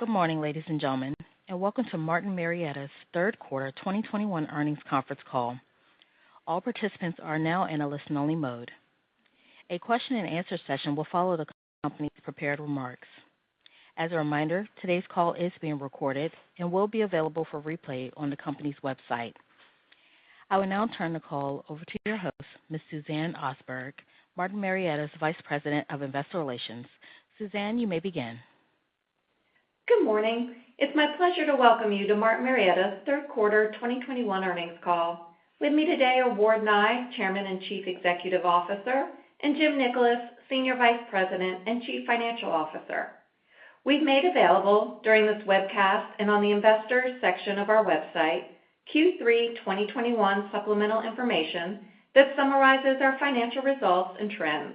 Good morning, ladies and gentlemen, and welcome to Martin Marietta's third quarter 2021 earnings conference call. All participants are now in a listen-only mode. A question-and-answer session will follow the company's prepared remarks. As a reminder, today's call is being recorded and will be available for replay on the company's website. I will now turn the call over to your host, Ms. Suzanne Osberg, Martin Marietta's Vice President of Investor Relations. Suzanne, you may begin. Good morning. It's my pleasure to welcome you to Martin Marietta's third quarter 2021 earnings call. With me today are Ward Nye, Chairman and Chief Executive Officer, and Jim Nickolas, Senior Vice President and Chief Financial Officer. We've made available during this webcast and on the Investors section of our website Q3 2021 supplemental information that summarizes our financial results and trends.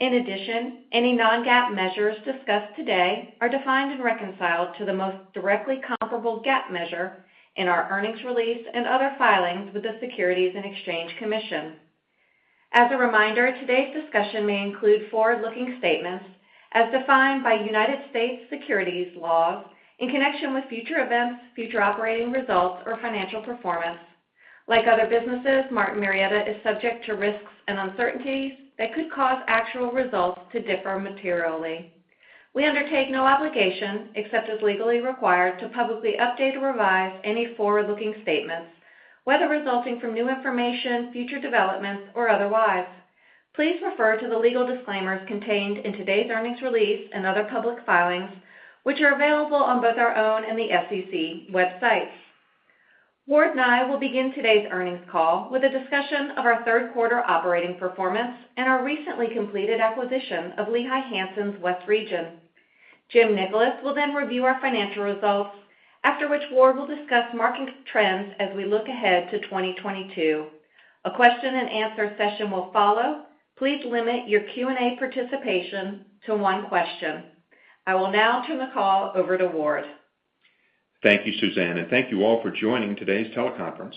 In addition, any non-GAAP measures discussed today are defined and reconciled to the most directly comparable GAAP measure in our earnings release and other filings with the Securities and Exchange Commission. As a reminder, today's discussion may include forward-looking statements as defined by United States securities laws in connection with future events, future operating results, or financial performance. Like other businesses, Martin Marietta is subject to risks and uncertainties that could cause actual results to differ materially. We undertake no obligation, except as legally required, to publicly update or revise any forward-looking statements, whether resulting from new information, future developments, or otherwise. Please refer to the legal disclaimers contained in today's earnings release and other public filings, which are available on both our own and the SEC websites. Ward Nye will begin today's earnings call with a discussion of our third quarter operating performance and our recently completed acquisition of Lehigh Hanson's West Region. Jim Nickolas will then review our financial results. After which, Ward will discuss market trends as we look ahead to 2022. A question-and-answer session will follow. Please limit your Q&A participation to one question. I will now turn the call over to Ward. Thank you, Suzanne, and thank you all for joining today's teleconference.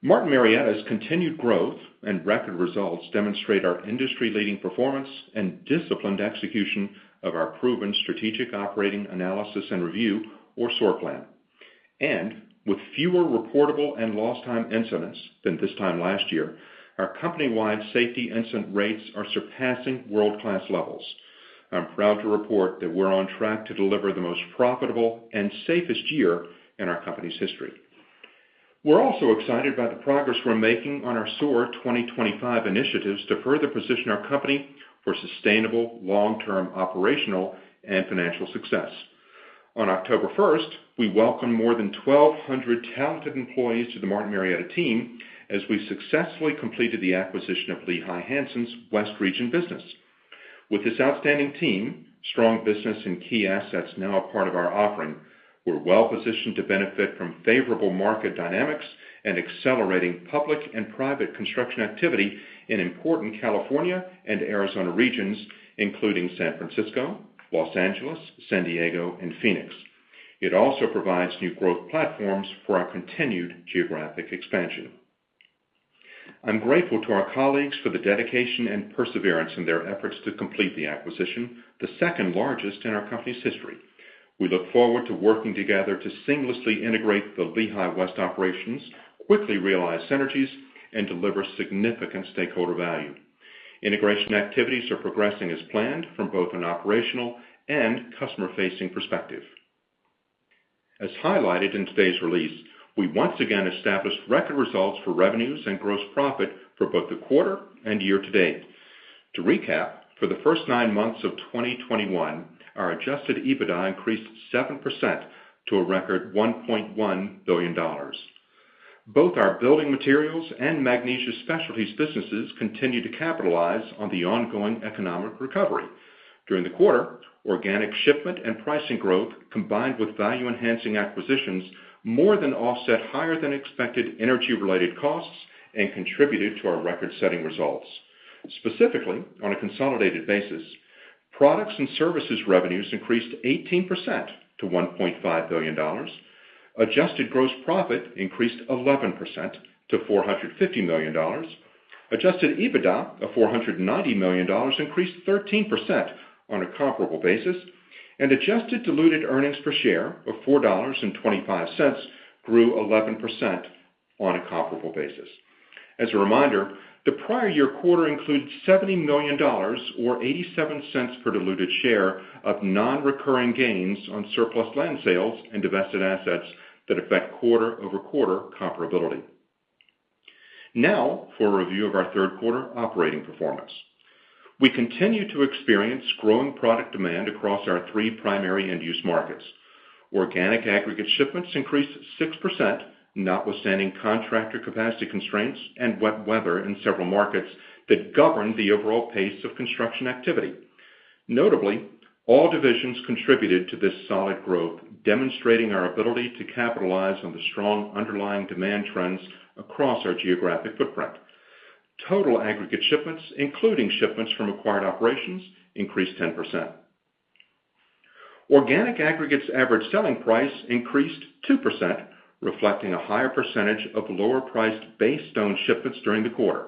Martin Marietta's continued growth and record results demonstrate our industry-leading performance and disciplined execution of our proven Strategic Operating Analysis and Review or SOAR plan. With fewer reportable and lost-time incidents than this time last year, our company-wide safety incident rates are surpassing world-class levels. I'm proud to report that we're on track to deliver the most profitable and safest year in our company's history. We're also excited by the progress we're making on our SOAR 2025 initiatives to further position our company for sustainable long-term operational and financial success. On October 1, we welcomed more than 1,200 talented employees to the Martin Marietta team as we successfully completed the acquisition of Lehigh Hanson's West Region business. With this outstanding team, strong business, and key assets now a part of our offering, we're well-positioned to benefit from favorable market dynamics and accelerating public and private construction activity in important California and Arizona regions, including San Francisco, Los Angeles, San Diego, and Phoenix. It also provides new growth platforms for our continued geographic expansion. I'm grateful to our colleagues for the dedication and perseverance in their efforts to complete the acquisition, the second largest in our company's history. We look forward to working together to seamlessly integrate the Lehigh Hanson West operations, quickly realize synergies, and deliver significant stakeholder value. Integration activities are progressing as planned from both an operational and customer-facing perspective. As highlighted in today's release, we once again established record results for revenues and gross profit for both the quarter and year-to-date. To recap, for the first nine months of 2021, our Adjusted EBITDA increased 7% to a record $1.1 billion. Both our Building Materials and Magnesium Specialties businesses continued to capitalize on the ongoing economic recovery. During the quarter, organic shipment and pricing growth, combined with value-enhancing acquisitions, more than offset higher than expected energy-related costs and contributed to our record-setting results. Specifically, on a consolidated basis, products and services revenues increased 18% to $1.5 billion. Adjusted gross profit increased 11% to $450 million. Adjusted EBITDA of $490 million increased 13% on a comparable basis, and adjusted diluted earnings per share of $4.25 grew 11% on a comparable basis. As a reminder, the prior-year quarter includes $70 million or $0.87 per diluted share of non-recurring gains on surplus land sales and divested assets that affect quarter-over-quarter comparability. Now, for a review of our third quarter operating performance. We continue to experience growing product demand across our three primary end use markets. Organic aggregate shipments increased 6%, notwithstanding contractor capacity constraints and wet weather in several markets that governed the overall pace of construction activity. Notably, all divisions contributed to this solid growth, demonstrating our ability to capitalize on the strong underlying demand trends across our geographic footprint. Total aggregate shipments, including shipments from acquired operations, increased 10%. Organic aggregates average selling price increased 2%, reflecting a higher percentage of lower-priced base stone shipments during the quarter.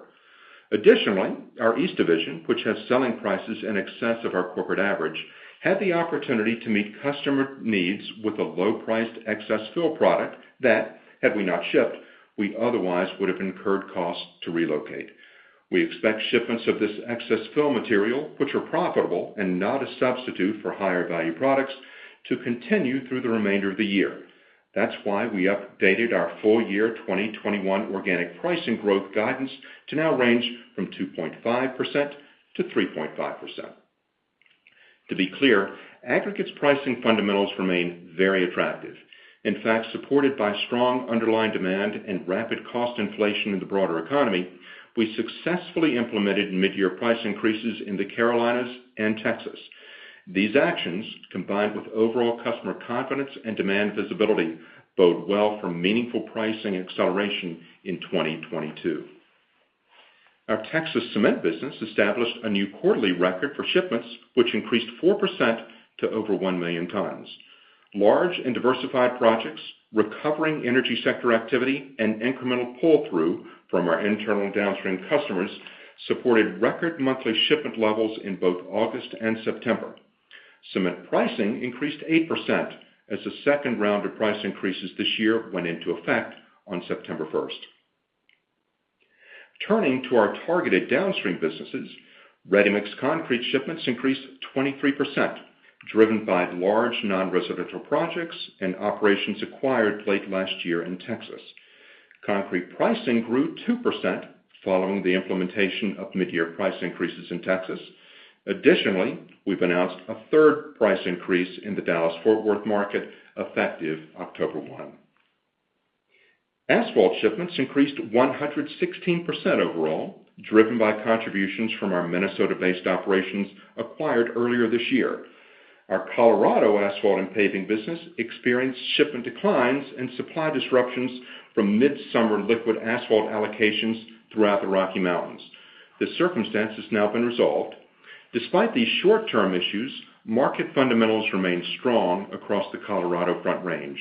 Additionally, our East Division, which has selling prices in excess of our corporate average, had the opportunity to meet customer needs with a low-priced excess fill product that had we not shipped, we otherwise would have incurred costs to relocate. We expect shipments of this excess fill material, which are profitable and not a substitute for higher value products, to continue through the remainder of the year. That's why we updated our full year 2021 organic pricing growth guidance to now range from 2.5% to 3.5%. To be clear, aggregates pricing fundamentals remain very attractive. In fact, supported by strong underlying demand and rapid cost inflation in the broader economy, we successfully implemented midyear price increases in the Carolinas and Texas. These actions, combined with overall customer confidence and demand visibility, bode well for meaningful pricing acceleration in 2022. Our Texas cement business established a new quarterly record for shipments, which increased 4% to over 1 million tons. Large and diversified projects, recovering energy sector activity, and incremental pull-through from our internal downstream customers supported record monthly shipment levels in both August and September. Cement pricing increased 8% as the second round of price increases this year went into effect on September 1. Turning to our targeted downstream businesses, ready-mix concrete shipments increased 23%, driven by large non-residential projects and operations acquired late last year in Texas. Concrete pricing grew 2% following the implementation of midyear price increases in Texas. Additionally, we've announced a third price increase in the Dallas-Fort Worth market, effective October 1. Asphalt shipments increased 116% overall, driven by contributions from our Minnesota-based operations acquired earlier this year. Our Colorado asphalt and paving business experienced shipment declines and supply disruptions from midsummer liquid asphalt allocations throughout the Rocky Mountains. This circumstance has now been resolved. Despite these short-term issues, market fundamentals remain strong across the Colorado Front Range.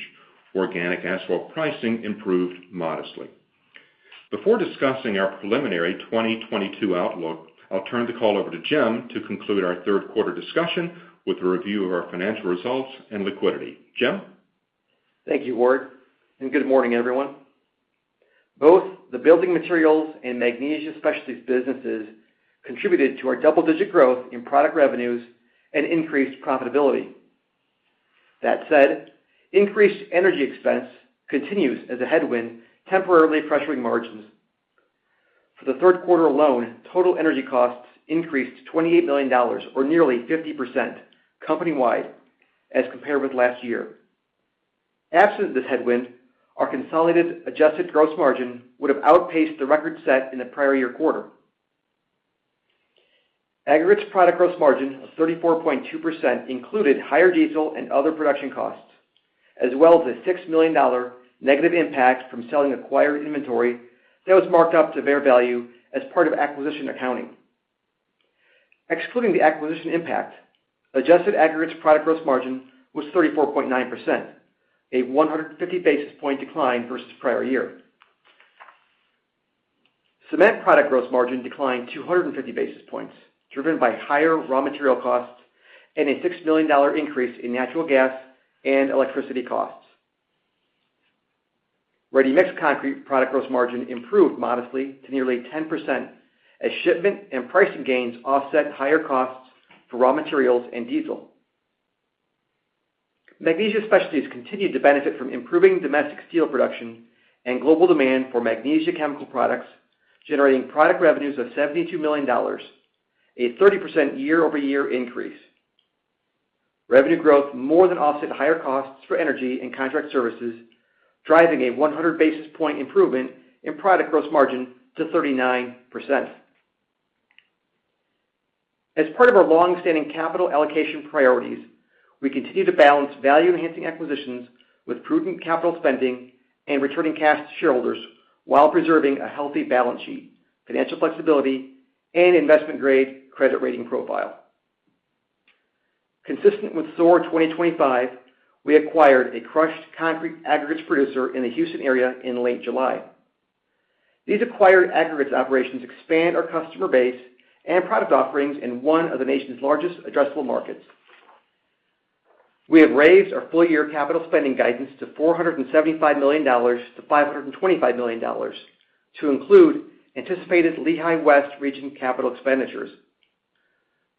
Organic asphalt pricing improved modestly. Before discussing our preliminary 2022 outlook, I'll turn the call over to Jim to conclude our third quarter discussion with a review of our financial results and liquidity. Jim? Thank you, Ward, and good morning, everyone. Both the Building Materials and Magnesium Specialties businesses contributed to our double-digit growth in product revenues and increased profitability. That said, increased energy expense continues as a headwind, temporarily pressuring margins. For the third quarter alone, total energy costs increased to $28 million or nearly 50% company-wide as compared with last year. Absent this headwind, our consolidated adjusted gross margin would have outpaced the record set in the prior-year quarter. Aggregates product gross margin of 34.2% included higher diesel and other production costs, as well as a $6 million negative impact from selling acquired inventory that was marked up to fair value as part of acquisition accounting. Excluding the acquisition impact, adjusted aggregates product gross margin was 34.9%, a 150 basis point decline versus prior-year. Cement product gross margin declined 250 basis points, driven by higher raw material costs and a $6 million increase in natural gas and electricity costs. Ready-mix concrete product gross margin improved modestly to nearly 10% as shipment and pricing gains offset higher costs for raw materials and diesel. Magnesium Specialties continued to benefit from improving domestic steel production and global demand for magnesia chemical products, generating product revenues of $72 million, a 30% year-over-year increase. Revenue growth more than offset higher costs for energy and contract services, driving a 100 basis points improvement in product gross margin to 39%. As part of our long-standing capital allocation priorities, we continue to balance value-enhancing acquisitions with prudent capital spending and returning cash to shareholders while preserving a healthy balance sheet, financial flexibility, and investment-grade credit rating profile. Consistent with SOAR 2025, we acquired a crushed concrete aggregates producer in the Houston area in late July. These acquired aggregates operations expand our customer base and product offerings in one of the nation's largest addressable markets. We have raised our full year capital spending guidance to $475 million-$525 million to include anticipated Lehigh Hanson West Region capital expenditures.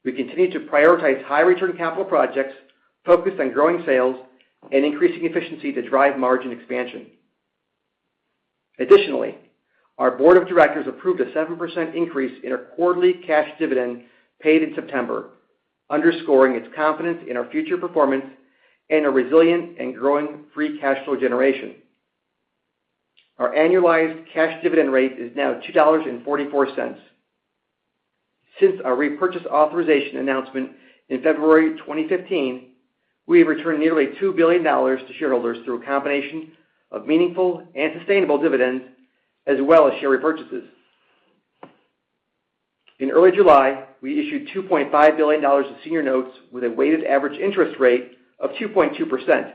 We continue to prioritize high-return capital projects focused on growing sales and increasing efficiency to drive margin expansion. Additionally, our Board of Directors approved a 7% increase in our quarterly cash dividend paid in September, underscoring its confidence in our future performance and a resilient and growing free cash flow generation. Our annualized cash dividend rate is now $2.44. Since our repurchase authorization announcement in February 2015, we have returned nearly $2 billion to shareholders through a combination of meaningful and sustainable dividends, as well as share repurchases. In early July, we issued $2.5 billion of senior notes with a weighted average interest rate of 2.2%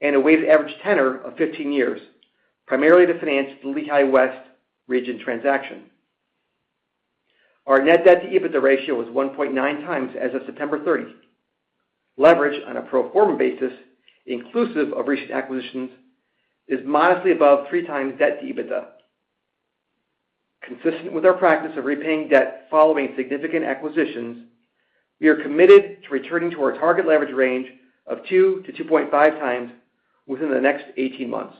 and a weighted average tenor of 15 years, primarily to finance the Lehigh Hanson West Region transaction. Our net debt-to-EBITDA ratio was 1.9 times as of September 30. Leverage on a pro forma basis, inclusive of recent acquisitions, is modestly above 3 times debt-to-EBITDA. Consistent with our practice of repaying debt following significant acquisitions, we are committed to returning to our target leverage range of 2-2.5 times within the next 18 months.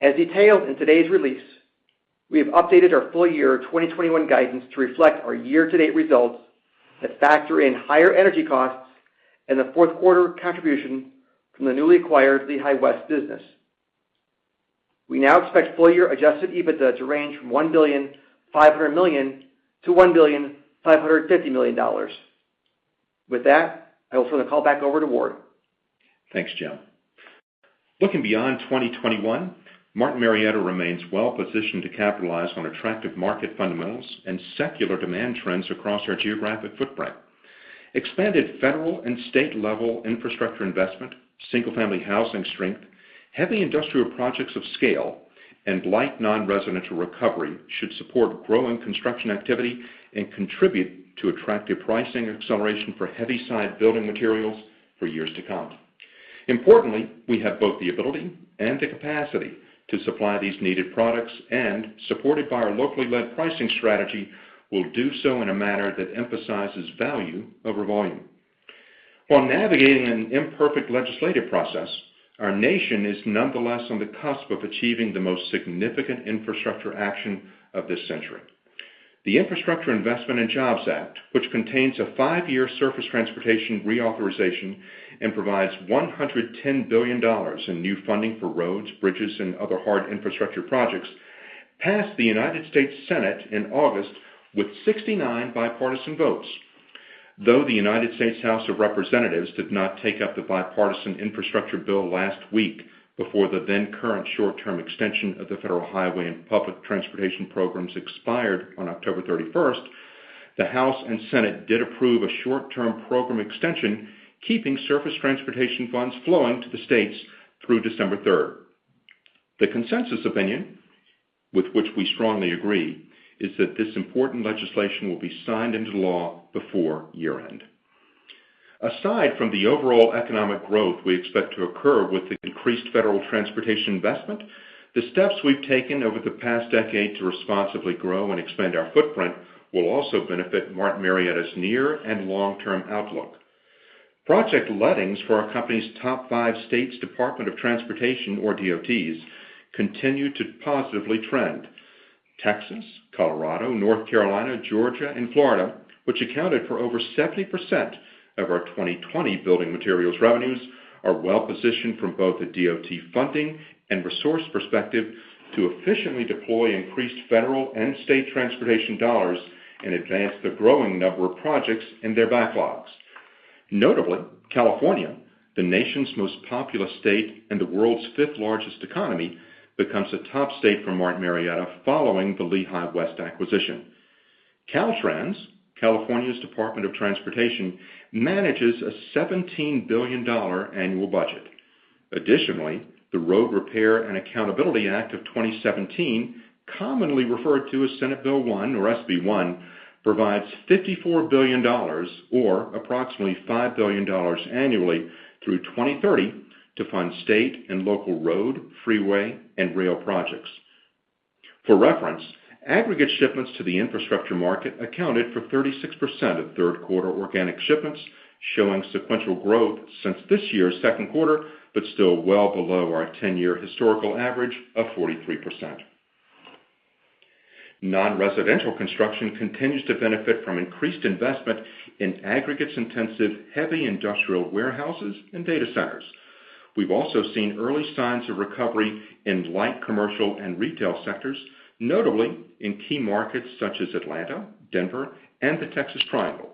As detailed in today's release, we have updated our full-year 2021 guidance to reflect our year-to-date results that factor in higher energy costs and the fourth quarter contribution from the newly acquired Lehigh Hanson West business. We now expect full-year Adjusted EBITDA to range from $1.5 billion-$1.55 billion. With that, I will turn the call back over to Ward. Thanks, Joe. Looking beyond 2021, Martin Marietta remains well-positioned to capitalize on attractive market fundamentals and secular demand trends across our geographic footprint. Expanded federal and state-level infrastructure investment, single-family housing strength, heavy industrial projects of scale, and light non-residential recovery should support growing construction activity and contribute to attractive pricing acceleration for heavy-side Building Materials for years to come. Importantly, we have both the ability and the capacity to supply these needed products, and supported by our locally-led pricing strategy, will do so in a manner that emphasizes value-over-volume. While navigating an imperfect legislative process, our nation is nonetheless on the cusp of achieving the most significant infrastructure action of this century. The Infrastructure Investment and Jobs Act, which contains a five-year Surface Transportation reauthorization and provides $110 billion in new funding for roads, bridges, and other hard infrastructure projects, passed the United States Senate in August with 69 bipartisan votes. Though the United States House of Representatives did not take up the bipartisan infrastructure bill last week before the then-current short-term extension of the Federal Highway and Public Transportation programs expired on October 31, the House and Senate did approve a short-term program extension, keeping Surface Transportation funds flowing to the states through December 3. The consensus opinion, with which we strongly agree, is that this important legislation will be signed into law before year-end. Aside from the overall economic growth we expect to occur with the increased federal transportation investment, the steps we've taken over the past decade to responsibly grow and expand our footprint will also benefit Martin Marietta's near and long-term outlook. Project lettings for our company's top five states' Departments of Transportation, or DOTs, continue to positively trend. Texas, Colorado, North Carolina, Georgia, and Florida, which accounted for over 70% of our 2020 Building Materials revenues, are well positioned from both the DOT funding and resource perspective to efficiently deploy increased federal and state transportation dollars and advance the growing number of projects in their backlogs. Notably, California, the nation's most populous state and the world's fifth-largest economy, becomes a top state for Martin Marietta following the Lehigh Hanson West acquisition. Caltrans, California's Department of Transportation, manages a $17 billion annual budget. Additionally, the Road Repair and Accountability Act of 2017, commonly referred to as Senate Bill 1 or SB 1, provides $54 billion, or approximately $5 billion annually through 2030 to fund state and local road, freeway, and rail projects. For reference, aggregate shipments to the infrastructure market accounted for 36% of third-quarter organic shipments, showing sequential growth since this year's second quarter, but still well below our 10-year historical average of 43%. Non-residential construction continues to benefit from increased investment in aggregates-intensive, heavy industrial warehouses and data centers. We've also seen early signs of recovery in light commercial and retail sectors, notably in key markets such as Atlanta, Denver, and the Texas Triangle.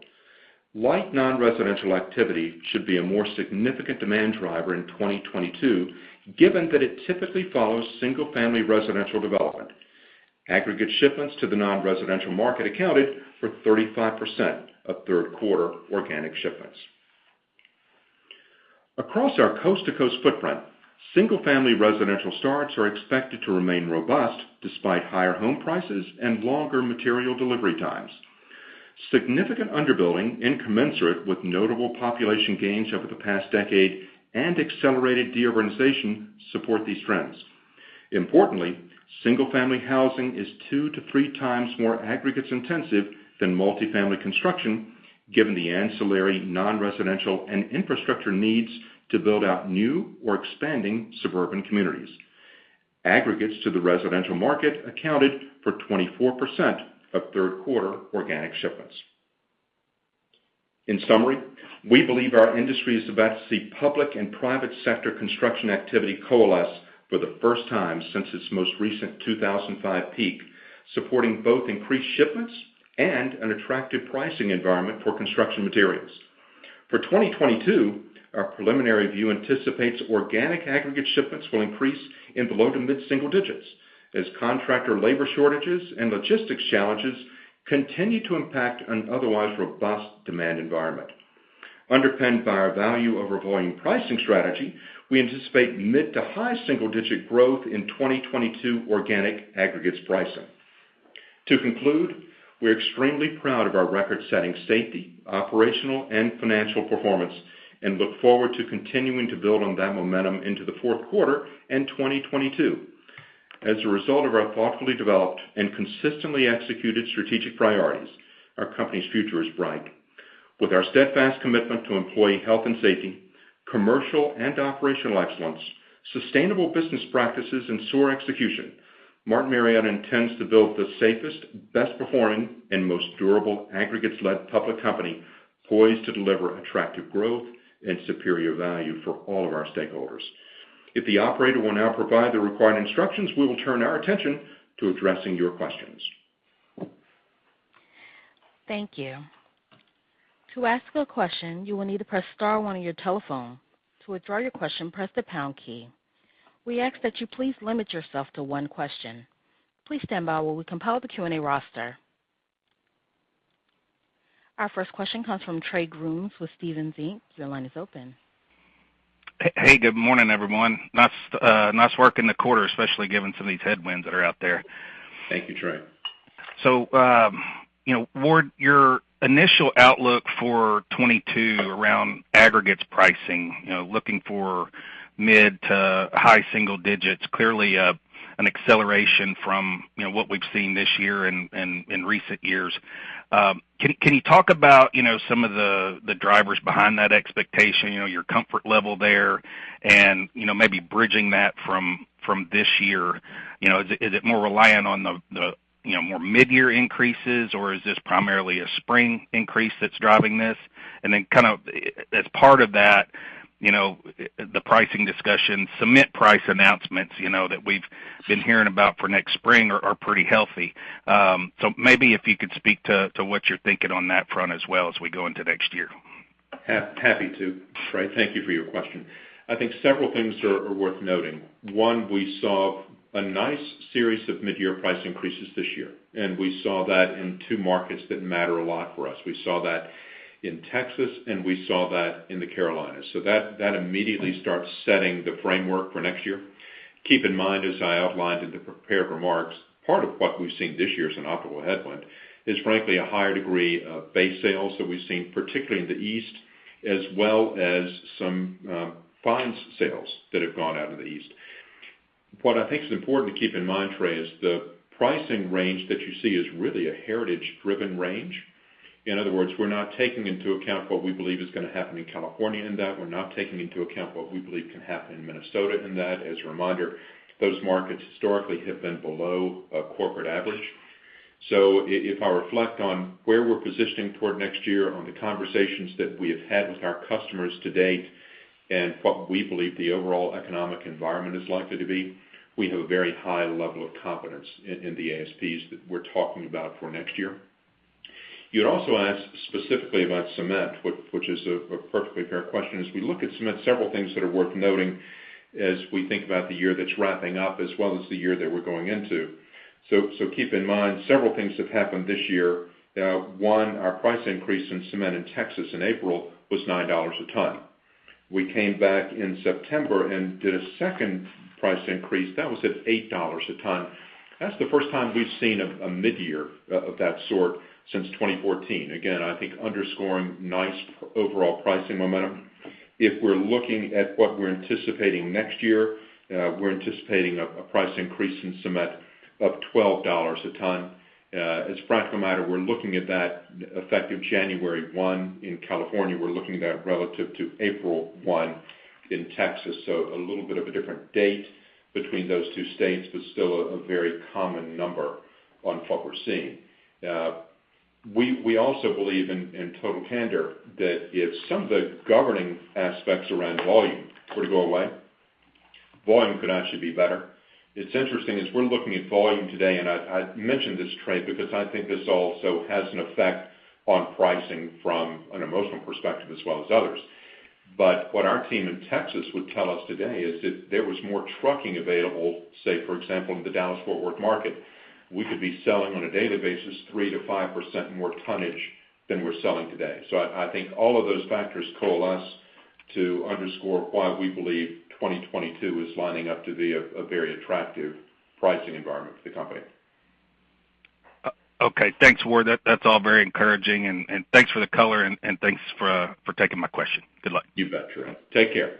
Light non-residential activity should be a more significant demand driver in 2022, given that it typically follows single-family residential development. Aggregate shipments to the non-residential market accounted for 35% of third quarter organic shipments. Across our coast-to-coast footprint, single-family residential starts are expected to remain robust despite higher home prices and longer material delivery times. Significant underbuilding incommensurate with notable population gains over the past decade and accelerated deurbanization support these trends. Importantly, single-family housing is 2 to 3 times more aggregates-intensive than multi-family construction, given the ancillary, non-residential and infrastructure needs to build out new or expanding suburban communities. Aggregates to the residential market accounted for 24% of third quarter organic shipments. In summary, we believe our industry is about to see public and private sector construction activity coalesce for the first time since its most recent 2005 peak, supporting both increased shipments and an attractive pricing environment for construction materials. For 2022, our preliminary view anticipates organic aggregate shipments will increase low- to mid-single digits as contractor labor shortages and logistics challenges continue to impact an otherwise robust demand environment. Underpinned by our value-over-volume pricing strategy, we anticipate mid-to-high-single-digit growth in 2022 organic aggregates pricing. To conclude, we're extremely proud of our record-setting safety, operational and financial performance and look forward to continuing to build on that momentum into the fourth quarter and 2022. As a result of our thoughtfully developed and consistently executed strategic priorities, our company's future is bright. With our steadfast commitment to employee health and safety, commercial and operational excellence, sustainable business practices and SOAR execution, Martin Marietta intends to build the safest, best performing and most durable aggregates-led public company poised to deliver attractive growth and superior value for all of our stakeholders. If the operator will now provide the required instructions, we will turn our attention to addressing your questions. Thank you. To ask a question, you will need to press star one on your telephone. To withdraw your question, press the pound key. We ask that you please limit yourself to one question. Please stand by while we compile the Q&A roster. Our first question comes from Trey Grooms with Stephens Inc. Your line is open. Hey, good morning, everyone. Nice work in the quarter, especially given some of these headwinds that are out there. Thank you, Trey. You know, Ward, your initial outlook for 2022 around aggregates pricing, you know, looking for mid- to high-single digits, clearly, an acceleration from, you know, what we've seen this year and in recent years. Can you talk about, you know, some of the drivers behind that expectation, you know, your comfort level there and, you know, maybe bridging that from this year? You know, is it more reliant on the, you know, more mid-year increases, or is this primarily a spring increase that's driving this? Then kind of as part of that, you know, the pricing discussion, cement price announcements, you know, that we've been hearing about for next spring are pretty healthy. Maybe if you could speak to what you're thinking on that front as well as we go into next year. Happy to, Trey. Thank you for your question. I think several things are worth noting. One, we saw a nice series of mid-year price increases this year, and we saw that in two markets that matter a lot for us. We saw that in Texas, and we saw that in the Carolinas. That immediately starts setting the framework for next year. Keep in mind, as I outlined in the prepared remarks, part of what we've seen this year as an operational headwind is frankly a higher degree of base sales that we've seen, particularly in the East, as well as some fines sales that have gone out of the East. What I think is important to keep in mind, Trey, is the pricing range that you see is really a heritage-driven range. In other words, we're not taking into account what we believe is gonna happen in California in that. We're not taking into account what we believe can happen in Minnesota in that. As a reminder, those markets historically have been below our corporate average. If I reflect on where we're positioning toward next year on the conversations that we have had with our customers to date and what we believe the overall economic environment is likely to be, we have a very high level of confidence in the ASPs that we're talking about for next year. You had also asked specifically about cement, which is a perfectly fair question. As we look at cement, several things that are worth noting as we think about the year that's wrapping up as well as the year that we're going into. Keep in mind, several things have happened this year. One, our price increase in cement in Texas in April was $9 a ton. We came back in September and did a second price increase. That was at $8 a ton. That's the first time we've seen a mid-year of that sort since 2014. Again, I think underscoring nice overall pricing momentum. If we're looking at what we're anticipating next year, we're anticipating a price increase in cement of $12 a ton. As a practical matter, we're looking at that effective January 1 in California. We're looking at that relative to April 1 in Texas. A little bit of a different date between those two states, but still a very common number on what we're seeing. We also believe in total candor that if some of the governing aspects around volume were to go away, volume could actually be better. It's interesting as we're looking at volume today, and I mentioned this, Trey, because I think this also has an effect on pricing from an emotional perspective as well as others. What our team in Texas would tell us today is if there was more trucking available, say, for example, in the Dallas-Fort Worth market, we could be selling on a daily basis 3% to 5% more tonnage than we're selling today. I think all of those factors coalesce to underscore why we believe 2022 is lining up to be a very attractive pricing environment for the company. Okay. Thanks, Ward. That's all very encouraging and thanks for the color and thanks for taking my question. Good luck. You bet, Trey. Take care.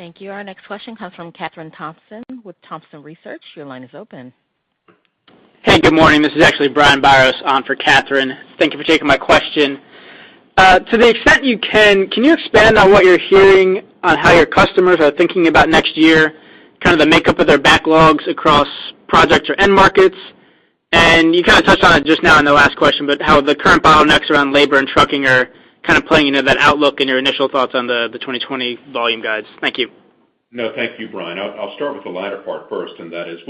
Thank you. Our next question comes from Kathryn Thompson with Thompson Research. Your line is open. Hey, good morning. This is actually Brian Brophy on for Kathryn. Thank you for taking my question. To the extent you can you expand on what you're hearing on how your customers are thinking about next year, kind of the makeup of their backlogs across projects or end markets? You kinda touched on it just now in the last question, but how the current bottlenecks around labor and trucking are kind of playing into that outlook and your initial thoughts on the 2020 volume guides. Thank you. No, thank you, Brian. I'll start with the latter part first, and that is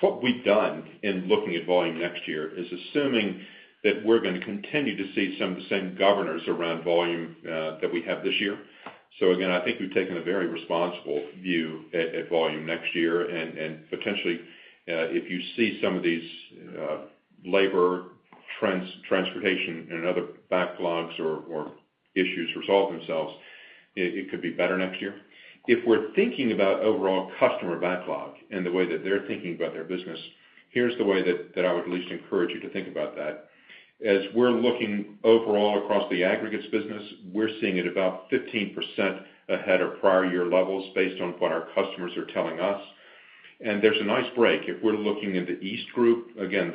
what we've done in looking at volume next year is assuming that we're gonna continue to see some of the same governors around volume that we have this year. Again, I think we've taken a very responsible view at volume next year. And potentially, if you see some of these labor, transportation and other backlogs or issues resolve themselves, it could be better next year. If we're thinking about overall customer backlog and the way that they're thinking about their business, here's the way that I would at least encourage you to think about that. As we're looking overall across the aggregates business, we're seeing it about 15% ahead of prior-year levels based on what our customers are telling us. There's a nice break. If we're looking in the East Group, again,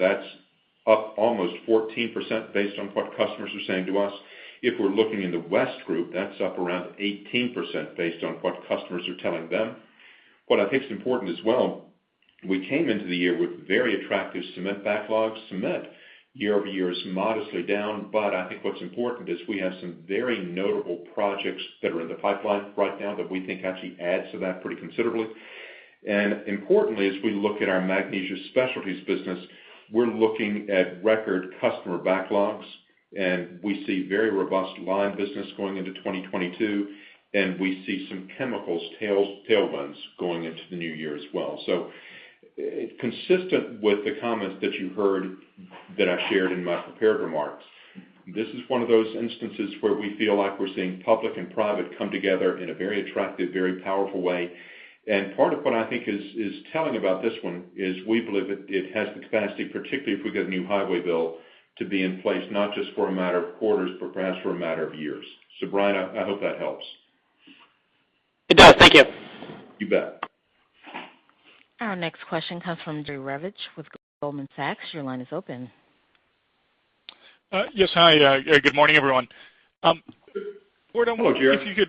that's up almost 14% based on what customers are saying to us. If we're looking in the West Group, that's up around 18% based on what customers are telling them. What I think is important as well, we came into the year with very attractive cement backlogs. Cement year-over-year is modestly down, but I think what's important is we have some very notable projects that are in the pipeline right now that we think actually adds to that pretty considerably. Importantly, as we look at our Magnesium Specialties business, we're looking at record customer backlogs, and we see very robust lime business going into 2022, and we see some chemicals tailwinds going into the new year as well. Consistent with the comments that you heard that I shared in my prepared remarks, this is one of those instances where we feel like we're seeing public and private come together in a very attractive, very powerful way. Part of what I think is telling about this one is we believe it has the capacity, particularly if we get a new highway bill, to be in place not just for a matter of quarters, but perhaps for a matter of years. Brian, I hope that helps. It does. Thank you. You bet. Our next question comes from Jerry Revich with Goldman Sachs. Your line is open. Yes, hi. Good morning, everyone. Hello, Jerry.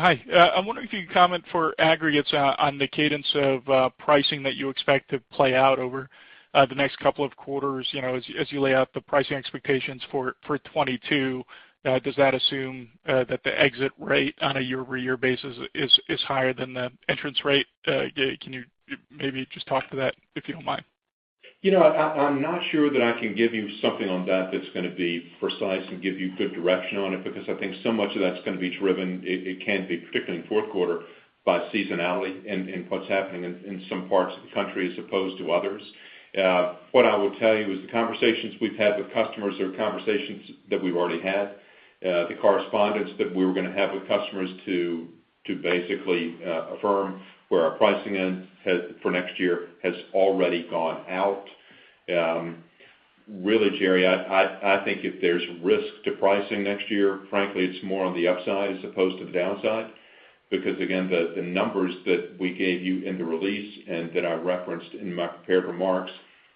Ward, I wonder if you could comment for aggregates on the cadence of pricing that you expect to play out over the next couple of quarters. You know, as you lay out the pricing expectations for 2022, does that assume that the exit rate on a year-over-year basis is higher than the entrance rate? Can you maybe just talk to that, if you don't mind? You know, I'm not sure that I can give you something on that that's gonna be precise and give you good direction on it because I think so much of that's gonna be driven, it can be, particularly in fourth quarter, by seasonality and what's happening in some parts of the country as opposed to others. What I will tell you is the conversations we've had with customers or conversations that we've already had, the correspondence that we were gonna have with customers to basically affirm where our pricing is for next year has already gone out. Really, Jerry, I think if there's risk to pricing next year, frankly, it's more on the upside as opposed to the downside because again, the numbers that we gave you in the release and that I referenced in my prepared remarks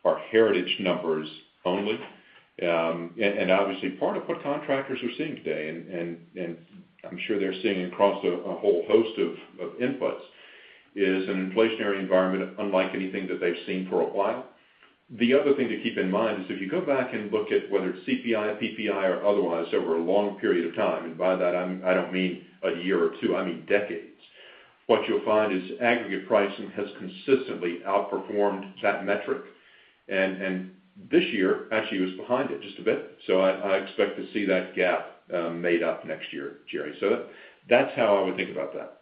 are heritage numbers only. Obviously part of what contractors are seeing today and I'm sure they're seeing across a whole host of inputs is an inflationary environment unlike anything that they've seen for a while. The other thing to keep in mind is if you go back and look at whether it's CPI, PPI or otherwise over a long period of time, and by that I don't mean a year or two, I mean decades, what you'll find is aggregate pricing has consistently outperformed that metric. This year actually was behind it just a bit. I expect to see that gap made up next year, Jerry. That's how I would think about that.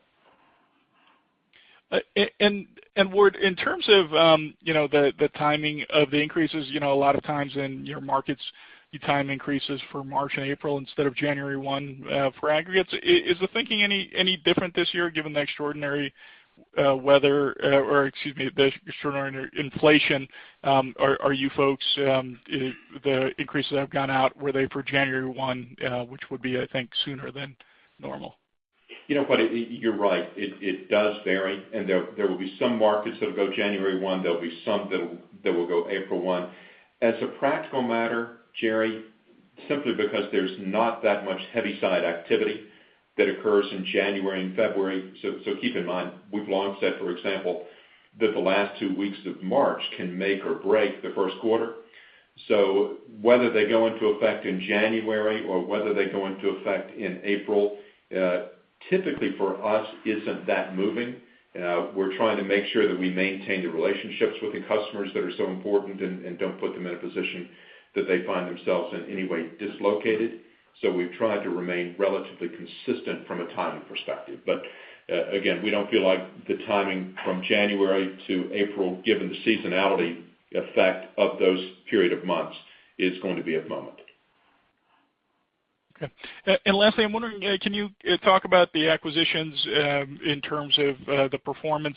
Ward, in terms of the timing of the increases, a lot of times in your markets, you time increases for March and April instead of January 1 for aggregates. Is the thinking any different this year given the extraordinary weather or excuse me, the extraordinary inflation? The increases that have gone out, were they for January 1, which would be, I think, sooner than normal? You know what? You're right. It does vary, and there will be some markets that'll go January 1, there'll be some that'll go April 1. As a practical matter, Jerry Revich, simply because there's not that much heavy-side activity that occurs in January and February, so keep in mind, we've long said, for example, that the last two weeks of March can make or break the first quarter. Whether they go into effect in January or whether they go into effect in April, typically for us isn't that moving. We're trying to make sure that we maintain the relationships with the customers that are so important and don't put them in a position that they find themselves in any way dislocated. We've tried to remain relatively consistent from a timing perspective. Again, we don't feel like the timing from January to April, given the seasonality effect of those period of months is going to be of moment. Okay. Lastly, I'm wondering, can you talk about the acquisitions in terms of the performance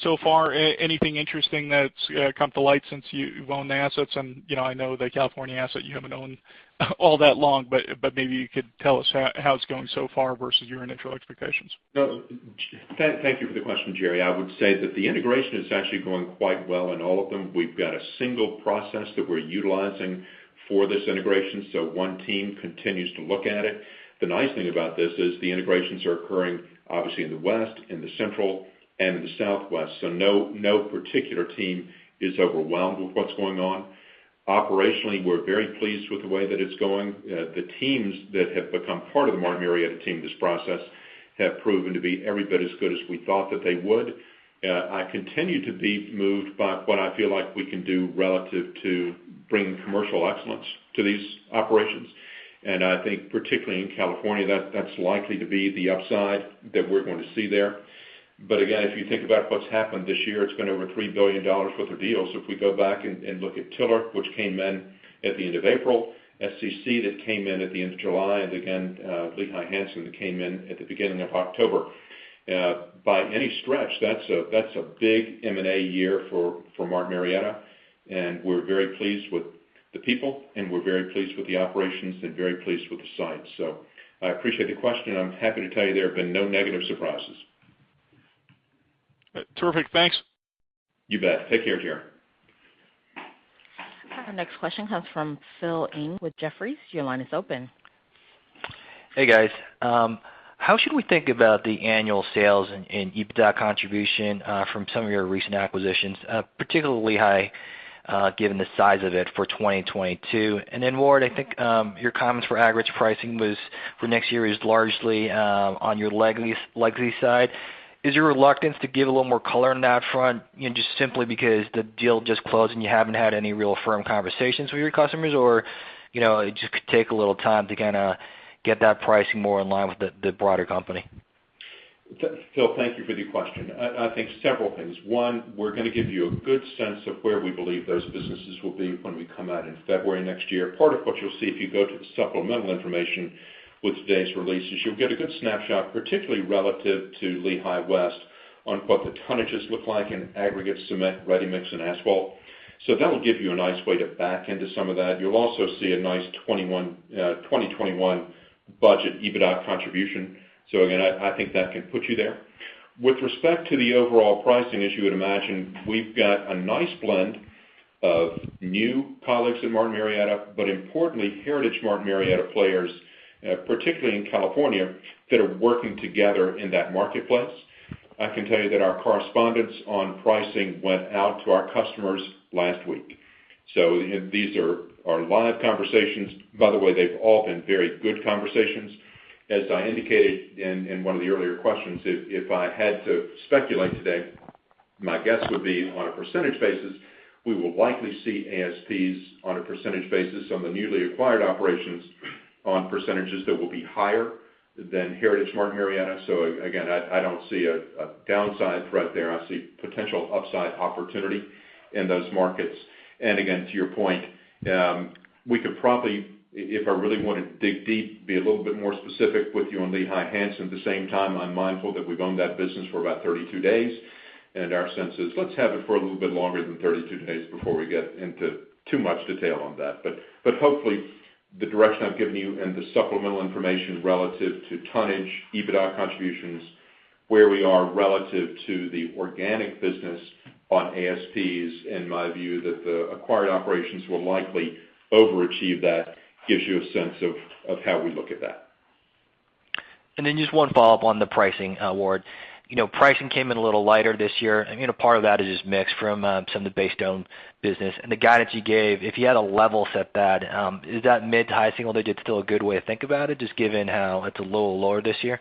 so far? Anything interesting that's come to light since you've owned the assets? You know, I know the California asset you haven't owned all that long, but maybe you could tell us how it's going so far versus your initial expectations. No, thank you for the question, Jerry. I would say that the integration is actually going quite well in all of them. We've got a single process that we're utilizing for this integration, so one team continues to look at it. The nice thing about this is the integrations are occurring obviously in the West, in the Central, and in the Southwest, so no particular team is overwhelmed with what's going on. Operationally, we're very pleased with the way that it's going. The teams that have become part of the Martin Marietta team in this process have proven to be every bit as good as we thought that they would. Yeah, I continue to be moved by what I feel like we can do relative to bringing commercial excellence to these operations. I think particularly in California, that's likely to be the upside that we're going to see there. Again, if you think about what's happened this year, it's been over $3 billion worth of deals. If we go back and look at Tiller, which came in at the end of April, SCC that came in at the end of July, and again, Lehigh Hanson that came in at the beginning of October. By any stretch, that's a big M&A year for Martin Marietta, and we're very pleased with the people, and we're very pleased with the operations and very pleased with the sites. I appreciate the question. I'm happy to tell you there have been no negative surprises. Terrific. Thanks. You bet. Take care, Jerry. Our next question comes from Philip Ng with Jefferies. Your line is open. Hey, guys. How should we think about the annual sales and EBITDA contribution from some of your recent acquisitions, particularly Lehigh, given the size of it for 2022? Ward, I think your comments for aggregate pricing was for next year is largely on your legacy side. Is your reluctance to give a little more color on that front, you know, just simply because the deal just closed and you haven't had any real firm conversations with your customers? Or, you know, it just could take a little time to kinda get that pricing more in line with the broader company. Phil, thank you for the question. I think several things. One, we're gonna give you a good sense of where we believe those businesses will be when we come out in February next year. Part of what you'll see if you go to the supplemental information with today's releases, you'll get a good snapshot, particularly relative to Lehigh West, on what the tonnages look like in aggregate cement, ready-mix, and asphalt. That will give you a nice way to back into some of that. You'll also see a nice 2021 budget EBITDA contribution. Again, I think that can put you there. With respect to the overall pricing, as you would imagine, we've got a nice blend of new colleagues in Martin Marietta, but importantly, heritage Martin Marietta players, particularly in California, that are working together in that marketplace. I can tell you that our correspondence on pricing went out to our customers last week. These are our live conversations. By the way, they've all been very good conversations. As I indicated in one of the earlier questions, if I had to speculate today, my guess would be on a percentage basis, we will likely see ASPs on a percentage basis on the newly acquired operations on percentages that will be higher than heritage Martin Marietta. Again, I don't see a downside threat there. I see potential upside opportunity in those markets. Again, to your point, we could probably, if I really wanna dig deep, be a little bit more specific with you on Lehigh Hanson. At the same time, I'm mindful that we've owned that business for about 32 days, and our sense is, let's have it for a little bit longer than 32 days before we get into too much detail on that. But hopefully, the direction I've given you and the supplemental information relative to tonnage, EBITDA contributions, where we are relative to the organic business on ASPs, in my view, that the acquired operations will likely overachieve that gives you a sense of how we look at that. Then just one follow-up on the pricing, Ward. You know, pricing came in a little lighter this year, and, you know, part of that is just mix from some of the base stone business. The guidance you gave, if you had to level set that, is that mid-to-high-single-digits still a good way to think about it, just given how it's a little lower this year?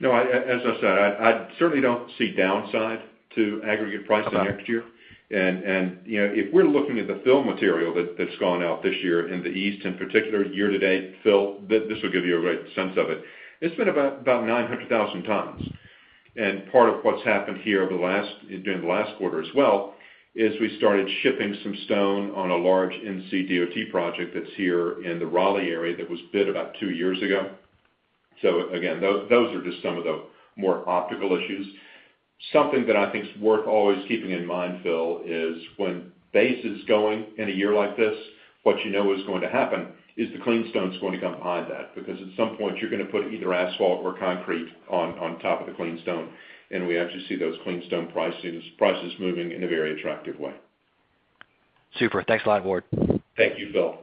No, as I said, I certainly don't see downside to aggregate pricing next year. You know, if we're looking at the fill material that's gone out this year in the East, in particular year-to-date, Phil, this will give you a great sense of it. It's been about 900,000 tons. Part of what's happened here over the last—during the last quarter as well, is we started shipping some stone on a large NCDOT project that's here in the Raleigh area that was bid about two years ago. Again, those are just some of the more optical issues. Something that I think is worth always keeping in mind, Phil, is when base is going in a year like this, what you know is going to happen is the clean stone is going to come behind that, because at some point you're gonna put either asphalt or concrete on top of the clean stone, and we actually see those clean stone prices moving in a very attractive way. Super. Thanks a lot, Ward. Thank you, Phil.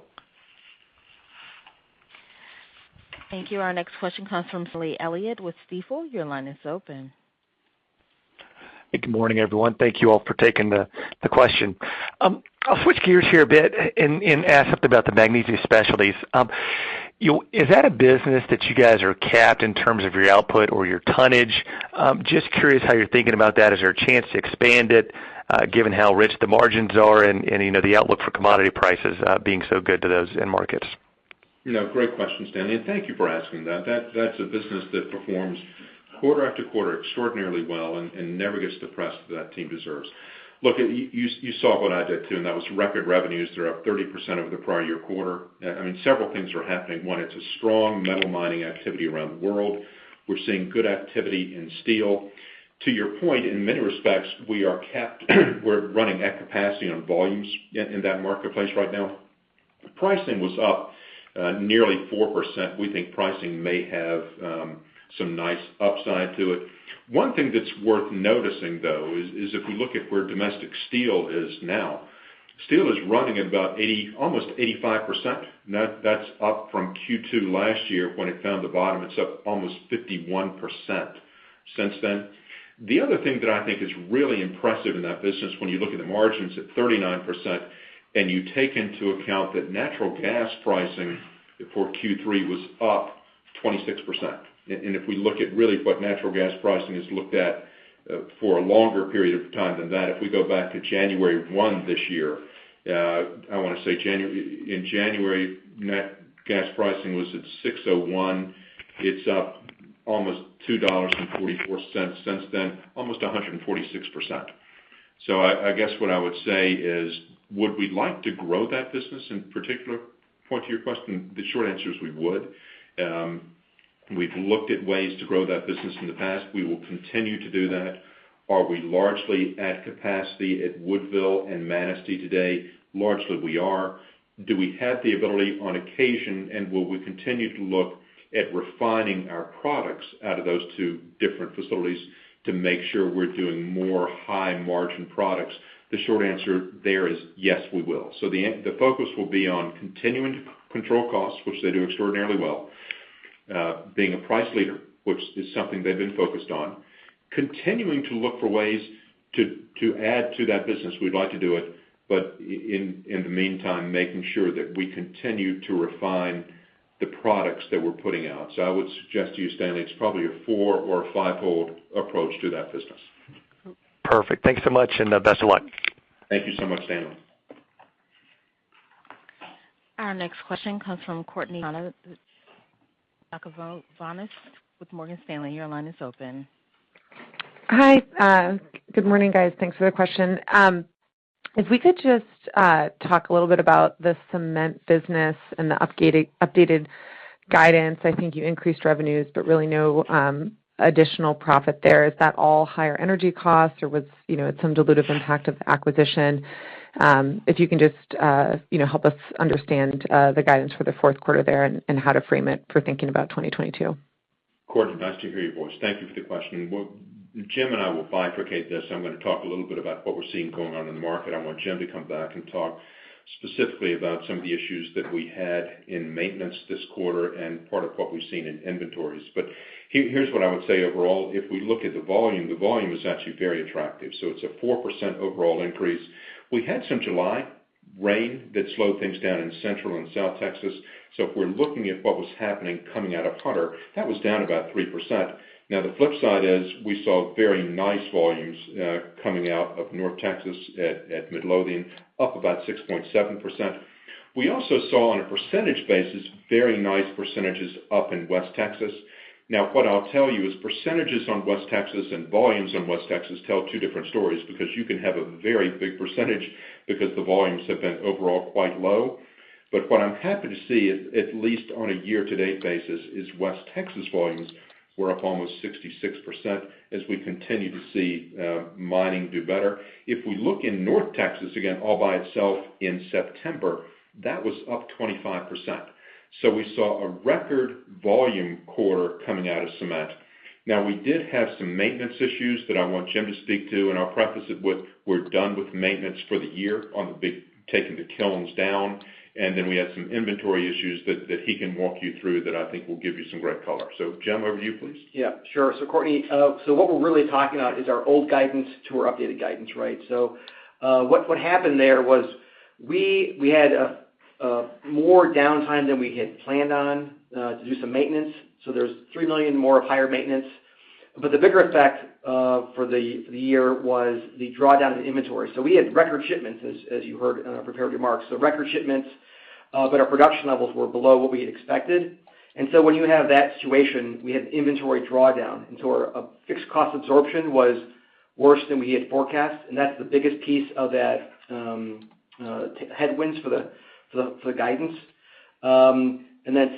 Thank you. Our next question comes from Stanley Elliott with Stifel. Your line is open. Good morning, everyone. Thank you all for taking the question. I'll switch gears here a bit and ask about the Magnesium Specialties. Is that a business that you guys are capped in terms of your output or your tonnage? Just curious how you're thinking about that. Is there a chance to expand it, given how rich the margins are and, you know, the outlook for commodity prices, being so good to those end markets? You know, great question, Stanley, and thank you for asking that. That's a business that performs quarter after quarter extraordinarily well and never gets the press that that team deserves. Look, you saw what I did, too, and that was record revenues. They're up 30% over the prior-year quarter. I mean, several things are happening. One, it's a strong metal mining activity around the world. We're seeing good activity in steel. To your point, in many respects, we are capped. We're running at capacity on volumes in that marketplace right now. Pricing was up nearly 4%. We think pricing may have some nice upside to it. One thing that's worth noticing, though, is if we look at where domestic steel is now, steel is running about 80, almost 85%. That's up from Q2 last year when it found the bottom. It's up almost 51% since then. The other thing that I think is really impressive in that business, when you look at the margins at 39% and you take into account that natural gas pricing for Q3 was up 26%. And if we look at really what natural gas pricing is looked at for a longer period of time than that, if we go back to January one this year, I wanna say in January, nat gas pricing was at $6.01. It's up almost $2.44 since then, almost 146%. I guess what I would say is, would we like to grow that business in particular, pointing to your question? The short answer is we would. We've looked at ways to grow that business in the past. We will continue to do that. Are we largely at capacity at Woodville and Manistee today? Largely we are. Do we have the ability on occasion, and will we continue to look at refining our products out of those two different facilities to make sure we're doing more high-margin products? The short answer there is yes, we will. The focus will be on continuing to control costs, which they do extraordinarily well, being a price leader, which is something they've been focused on. Continuing to look for ways to add to that business, we'd like to do it, but in the meantime, making sure that we continue to refine the products that we're putting out. I would suggest to you, Stanley, it's probably a four- or five-fold approach to that business. Perfect. Thanks so much, and best of luck. Thank you so much, Stanley. Our next question comes from Courtney Yakavonis with Morgan Stanley. Your line is open. Hi. Good morning, guys. Thanks for the question. If we could just talk a little bit about the cement business and the updated guidance. I think you increased revenues, but really no additional profit there. Is that all higher energy costs, or was, you know, some dilutive impact of acquisition? If you can just, you know, help us understand the guidance for the fourth quarter there and how to frame it for thinking about 2022. Courtney, nice to hear your voice. Thank you for the question. Well, Jim and I will bifurcate this. I'm gonna talk a little bit about what we're seeing going on in the market. I want Jim to come back and talk specifically about some of the issues that we had in maintenance this quarter and part of what we've seen in inventories. Here, here's what I would say overall. If we look at the volume, the volume is actually very attractive, so it's a 4% overall increase. We had some July rain that slowed things down in Central and South Texas. If we're looking at what was happening coming out of Hunter, that was down about 3%. Now, the flip side is we saw very nice volumes, coming out of North Texas at Midlothian, up about 6.7%. We also saw, on a percentage basis, very nice percentages up in West Texas. Now, what I'll tell you is percentages on West Texas and volumes on West Texas tell two different stories because you can have a very big percentage because the volumes have been overall quite low. What I'm happy to see, at least on a year-to-date basis, is West Texas volumes were up almost 66% as we continue to see mining do better. If we look in North Texas, again, all by itself in September, that was up 25%. We saw a record volume quarter coming out of cement. Now, we did have some maintenance issues that I want Jim to speak to, and I'll preface it with we're done with maintenance for the year on the big taking the kilns down. Then we had some inventory issues that he can walk you through that I think will give you some great color. Jim, over to you, please. Yeah, sure. Courtney, so what we're really talking about is our old guidance to our updated guidance, right? What happened there was we had more downtime than we had planned on to do some maintenance. There's $3 million more of higher maintenance. The bigger effect for the year was the drawdown of inventory. We had record shipments as you heard in our prepared remarks. Record shipments, but our production levels were below what we had expected. When you have that situation, we had inventory drawdown. Our fixed cost absorption was worse than we had forecast, and that's the biggest piece of that, headwinds for the guidance.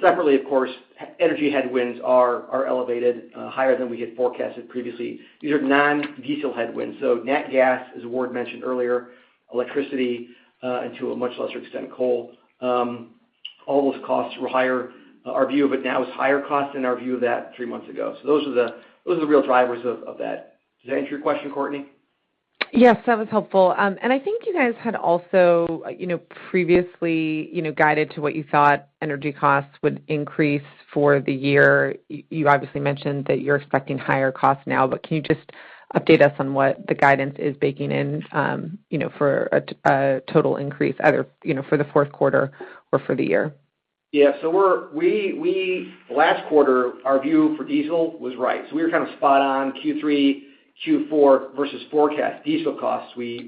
Separately, of course, energy headwinds are elevated higher than we had forecasted previously. These are non-diesel headwinds. Nat gas, as Ward mentioned earlier, electricity, and to a much lesser extent, coal. All those costs were higher. Our view of it now is higher cost than our view of that three months ago. Those are the real drivers of that. Does that answer your question, Courtney? Yes, that was helpful. I think you guys had also, you know, previously, you know, guided to what you thought energy costs would increase for the year. You obviously mentioned that you're expecting higher costs now, but can you just update us on what the guidance is baking in, you know, for a total increase either, you know, for the fourth quarter or for the year? Last quarter, our view for diesel was right. We were kind of spot on Q3, Q4 versus forecast. Diesel costs, we're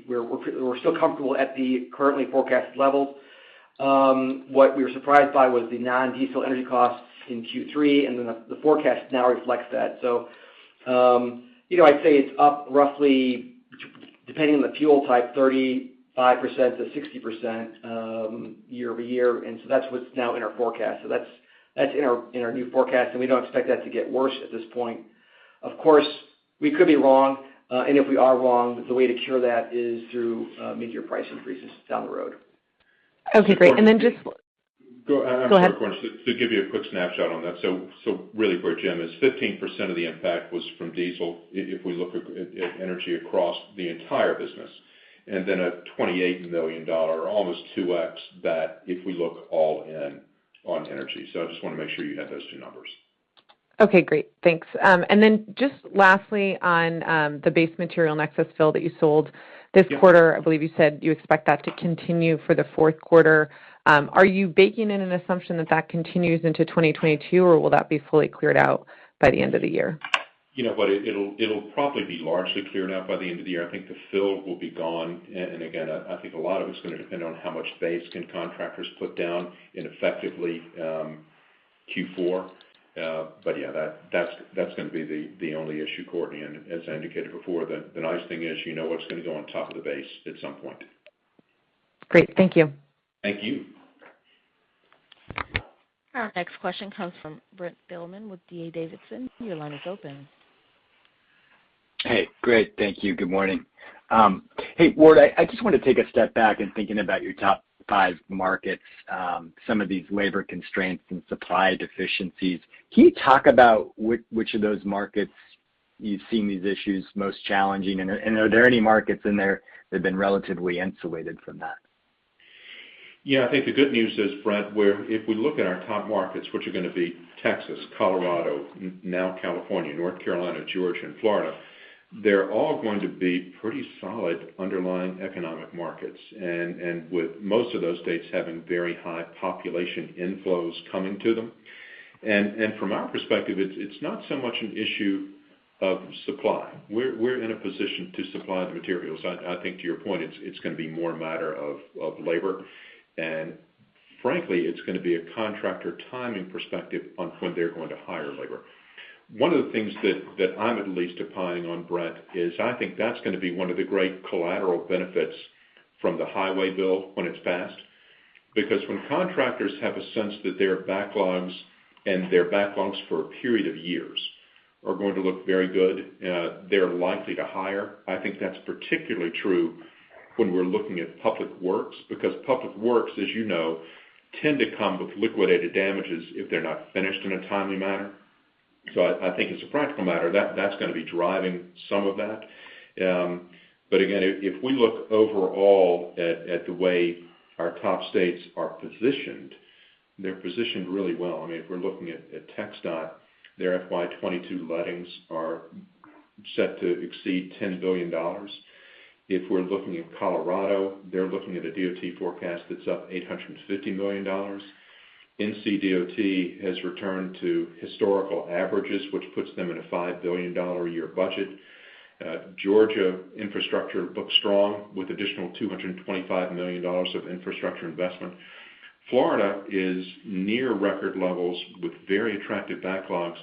still comfortable at the currently forecasted level. What we were surprised by was the non-diesel energy costs in Q3, and then the forecast now reflects that. You know, I'd say it's up roughly, depending on the fuel type, 35% to 60%, year-over-year. That's what's now in our forecast. That's in our new forecast, and we don't expect that to get worse at this point. Of course, we could be wrong. If we are wrong, the way to cure that is through mid-year price increases down the road. Okay, great. I'm sorry, Courtney. Go ahead. To give you a quick snapshot on that. Really quick, Jim, 15% of the impact was from diesel if we look at energy across the entire business, and then a $28 million, almost 2x that if we look all in on energy. I just wanna make sure you had those two numbers. Okay, great. Thanks. Just lastly on the base material excess fill that you sold this quarter, I believe you said you expect that to continue for the fourth quarter. Are you baking in an assumption that continues into 2022, or will that be fully cleared out by the end of the year? You know what? It'll probably be largely cleared out by the end of the year. I think the fill will be gone. And again, I think a lot of it's gonna depend on how much base can contractors put down effectively in Q4. But yeah, that's gonna be the only issue, Courtney. As I indicated before, the nice thing is you know what's gonna go on top of the base at some point. Great. Thank you. Thank you. Our next question comes from Brent Thielman with D.A. Davidson. Your line is open. Hey. Great, thank you. Good morning. Hey, Ward, I just wanna take a step back in thinking about your top five markets, some of these labor constraints and supply deficiencies. Can you talk about which of those markets you've seen these issues most challenging? And are there any markets in there that have been relatively insulated from that? Yeah. I think the good news is, Brent, if we look at our top markets, which are gonna be Texas, Colorado, now California, North Carolina, Georgia, and Florida, they're all going to be pretty solid underlying economic markets. With most of those states having very high population inflows coming to them. From our perspective, it's not so much an issue of supply. We're in a position to supply the materials. I think to your point, it's gonna be more a matter of labor. Frankly, it's gonna be a contractor timing perspective on when they're going to hire labor. One of the things that I'm at least relying on, Brent, is I think that's gonna be one of the great collateral benefits from the highway bill when it's passed. Because when contractors have a sense that their backlogs for a period of years are going to look very good, they're likely to hire. I think that's particularly true when we're looking at public works, because public works, as you know, tend to come with liquidated damages if they're not finished in a timely manner. I think as a practical matter, that's gonna be driving some of that. But again, if we look overall at the way our top states are positioned, they're positioned really well. I mean, if we're looking at TxDOT, their FY22 lettings are set to exceed $10 billion. If we're looking at Colorado, they're looking at a DOT forecast that's up $850 million. NCDOT has returned to historical averages, which puts them in a $5 billion a year budget. Georgia infrastructure looks strong with additional $225 million of infrastructure investment. Florida is near record levels with very attractive backlogs.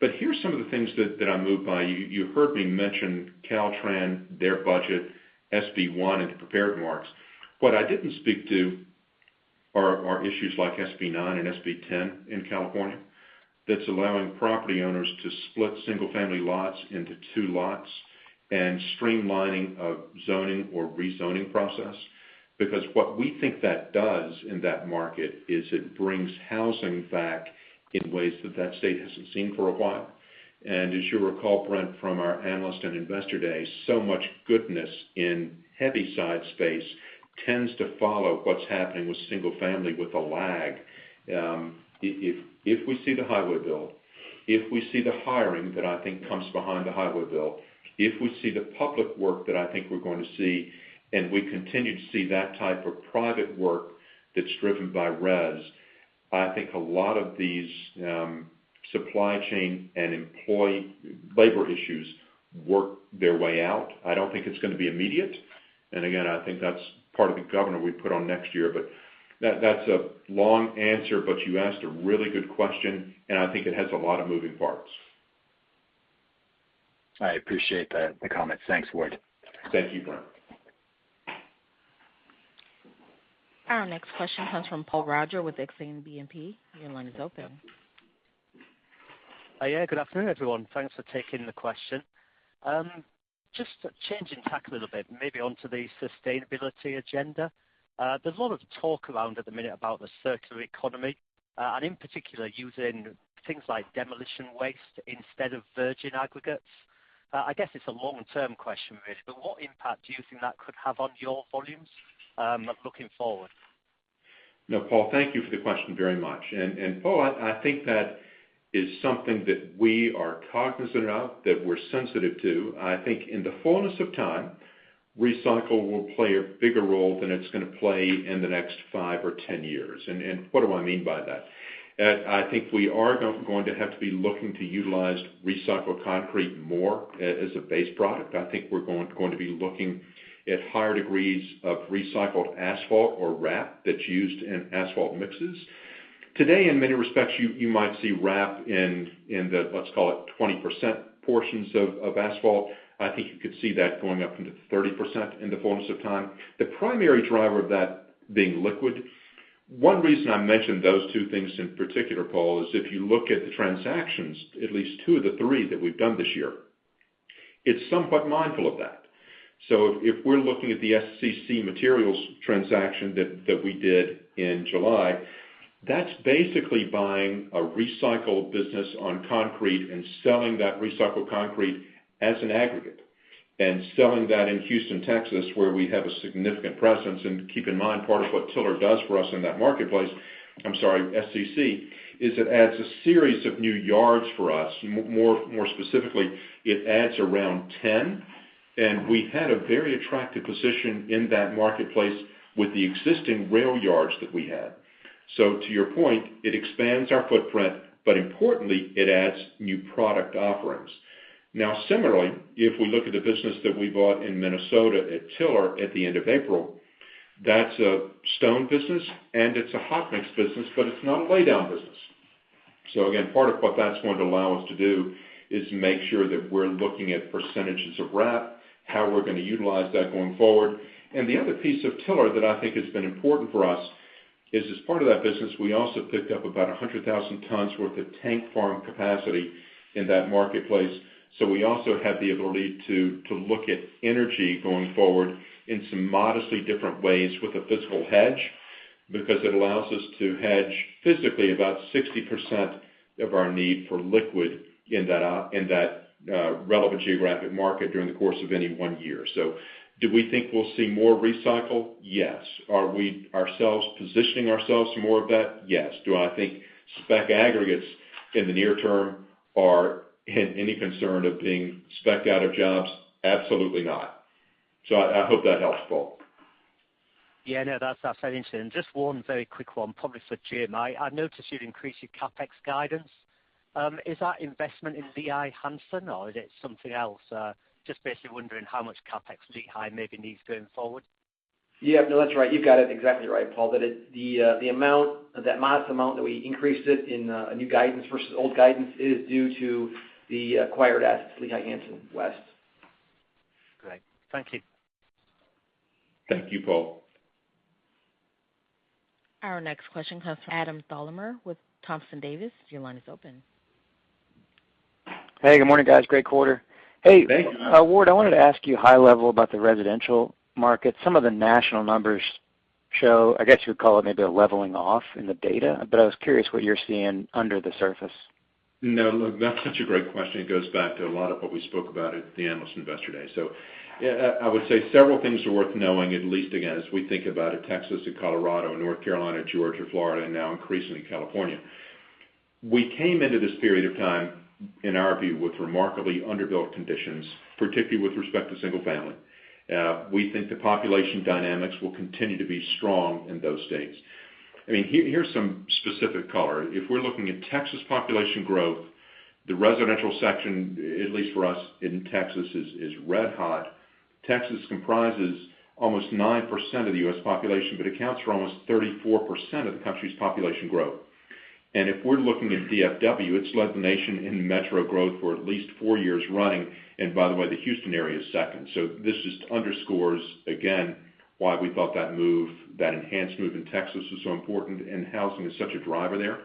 But here's some of the things that I'm moved by. You heard me mention Caltrans, their budget, SB 1 in the prepared remarks. What I didn't speak to are issues like SB 9 and SB 10 in California that's allowing property owners to split single-family lots into two lots and streamlining a zoning or rezoning process. Because what we think that does in that market is it brings housing back in ways that state hasn't seen for a while. As you'll recall, Brent, from our Analyst and Investor Day, so much goodness in heavy-side space tends to follow what's happening with single-family with a lag. If we see the highway bill, if we see the hiring that I think comes behind the highway bill, if we see the public work that I think we're going to see, and we continue to see that type of private work that's driven by res, I think a lot of these supply chain and employee labor issues work their way out. I don't think it's gonna be immediate. Again, I think that's part of the governor we put on next year. That's a long answer, but you asked a really good question, and I think it has a lot of moving parts. I appreciate that, the comment. Thanks, Ward. Thank you, Brent. Our next question comes from Paul Roger with Exane BNP Paribas. Your line is open. Yeah, good afternoon, everyone. Thanks for taking the question. Just changing tack a little bit, maybe onto the sustainability agenda. There's a lot of talk around at the minute about the circular economy, and in particular using things like demolition waste instead of virgin aggregates. I guess it's a long-term question really, but what impact do you think that could have on your volumes, looking forward? No, Paul, thank you for the question very much. Paul, I think that is something that we are cognizant of, that we're sensitive to. I think in the fullness of time, recycling will play a bigger role than it's gonna play in the next 5 or 10 years. What do I mean by that? I think we are going to have to be looking to utilize recycled concrete more as a base product. I think we're going to be looking at higher degrees of recycled asphalt or RAP that's used in asphalt mixes. Today, in many respects, you might see RAP in the, let's call it, 20% portions of asphalt. I think you could see that going up into 30% in the fullness of time. The primary driver of that being liquid. One reason I mentioned those two things in particular, Paul, is if you look at the transactions, at least two of the three that we've done this year, it's somewhat mindful of that. If we're looking at the SCC Materials transaction that we did in July, that's basically buying a recycled business on concrete and selling that recycled concrete as an aggregate. Selling that in Houston, Texas, where we have a significant presence. Keep in mind, part of what Tiller does for us in that marketplace, I'm sorry, SCC, is it adds a series of new yards for us. More specifically, it adds around 10. We had a very attractive position in that marketplace with the existing rail yards that we had. To your point, it expands our footprint, but importantly, it adds new product offerings. Now, similarly, if we look at the business that we bought in Minnesota at Tiller at the end of April, that's a stone business, and it's a hot-mix business, but it's not a laydown business. Again, part of what that's going to allow us to do is make sure that we're looking at percentages of RAP, how we're gonna utilize that going forward. The other piece of Tiller that I think has been important for us is, as part of that business, we also picked up about 100,000 tons worth of tank farm capacity in that marketplace. We also have the ability to look at energy going forward in some modestly different ways with a physical hedge, because it allows us to hedge physically about 60% of our need for liquid in that relevant geographic market during the course of any one year. Do we think we'll see more recycle? Yes. Are we ourselves positioning ourselves for more of that? Yes. Do I think spec aggregates in the near term are in any concern of being specked out of jobs? Absolutely not. I hope that helps, Paul. Yeah, no, that's very interesting. Just one very quick one, probably for Jim. I noticed you'd increased your CapEx guidance. Is that investment in Lehigh Hanson or is it something else? Just basically wondering how much CapEx Lehigh maybe needs going forward. Yeah, no, that's right. You've got it exactly right, Paul. The amount, that modest amount that we increased it in a new guidance versus old guidance is due to the acquired assets, Lehigh Hanson West. Great. Thank you. Thank you, Paul. Our next question comes from Adam Thalhimer with Thompson Davis. Your line is open. Hey, good morning, guys. Great quarter. Good morning. Hey, Ward, I wanted to ask you high level about the residential market. Some of the national numbers show, I guess, you'd call it maybe a leveling off in the data, but I was curious what you're seeing under the surface. No, look, that's such a great question. It goes back to a lot of what we spoke about at the Analyst Investor Day. I would say several things are worth knowing, at least again, as we think about it, Texas and Colorado, North Carolina, Georgia, Florida, and now increasingly California. We came into this period of time, in our view, with remarkably underbuilt conditions, particularly with respect to single-family. We think the population dynamics will continue to be strong in those states. I mean, here's some specific color. If we're looking at Texas population growth, the residential section, at least for us in Texas, is red hot. Texas comprises almost 9% of the U.S. population, but accounts for almost 34% of the country's population growth. If we're looking at DFW, it's led the nation in metro growth for at least 4 years running, and by the way, the Houston area is second. This just underscores again why we thought that move, that enhanced move in Texas was so important and housing is such a driver there.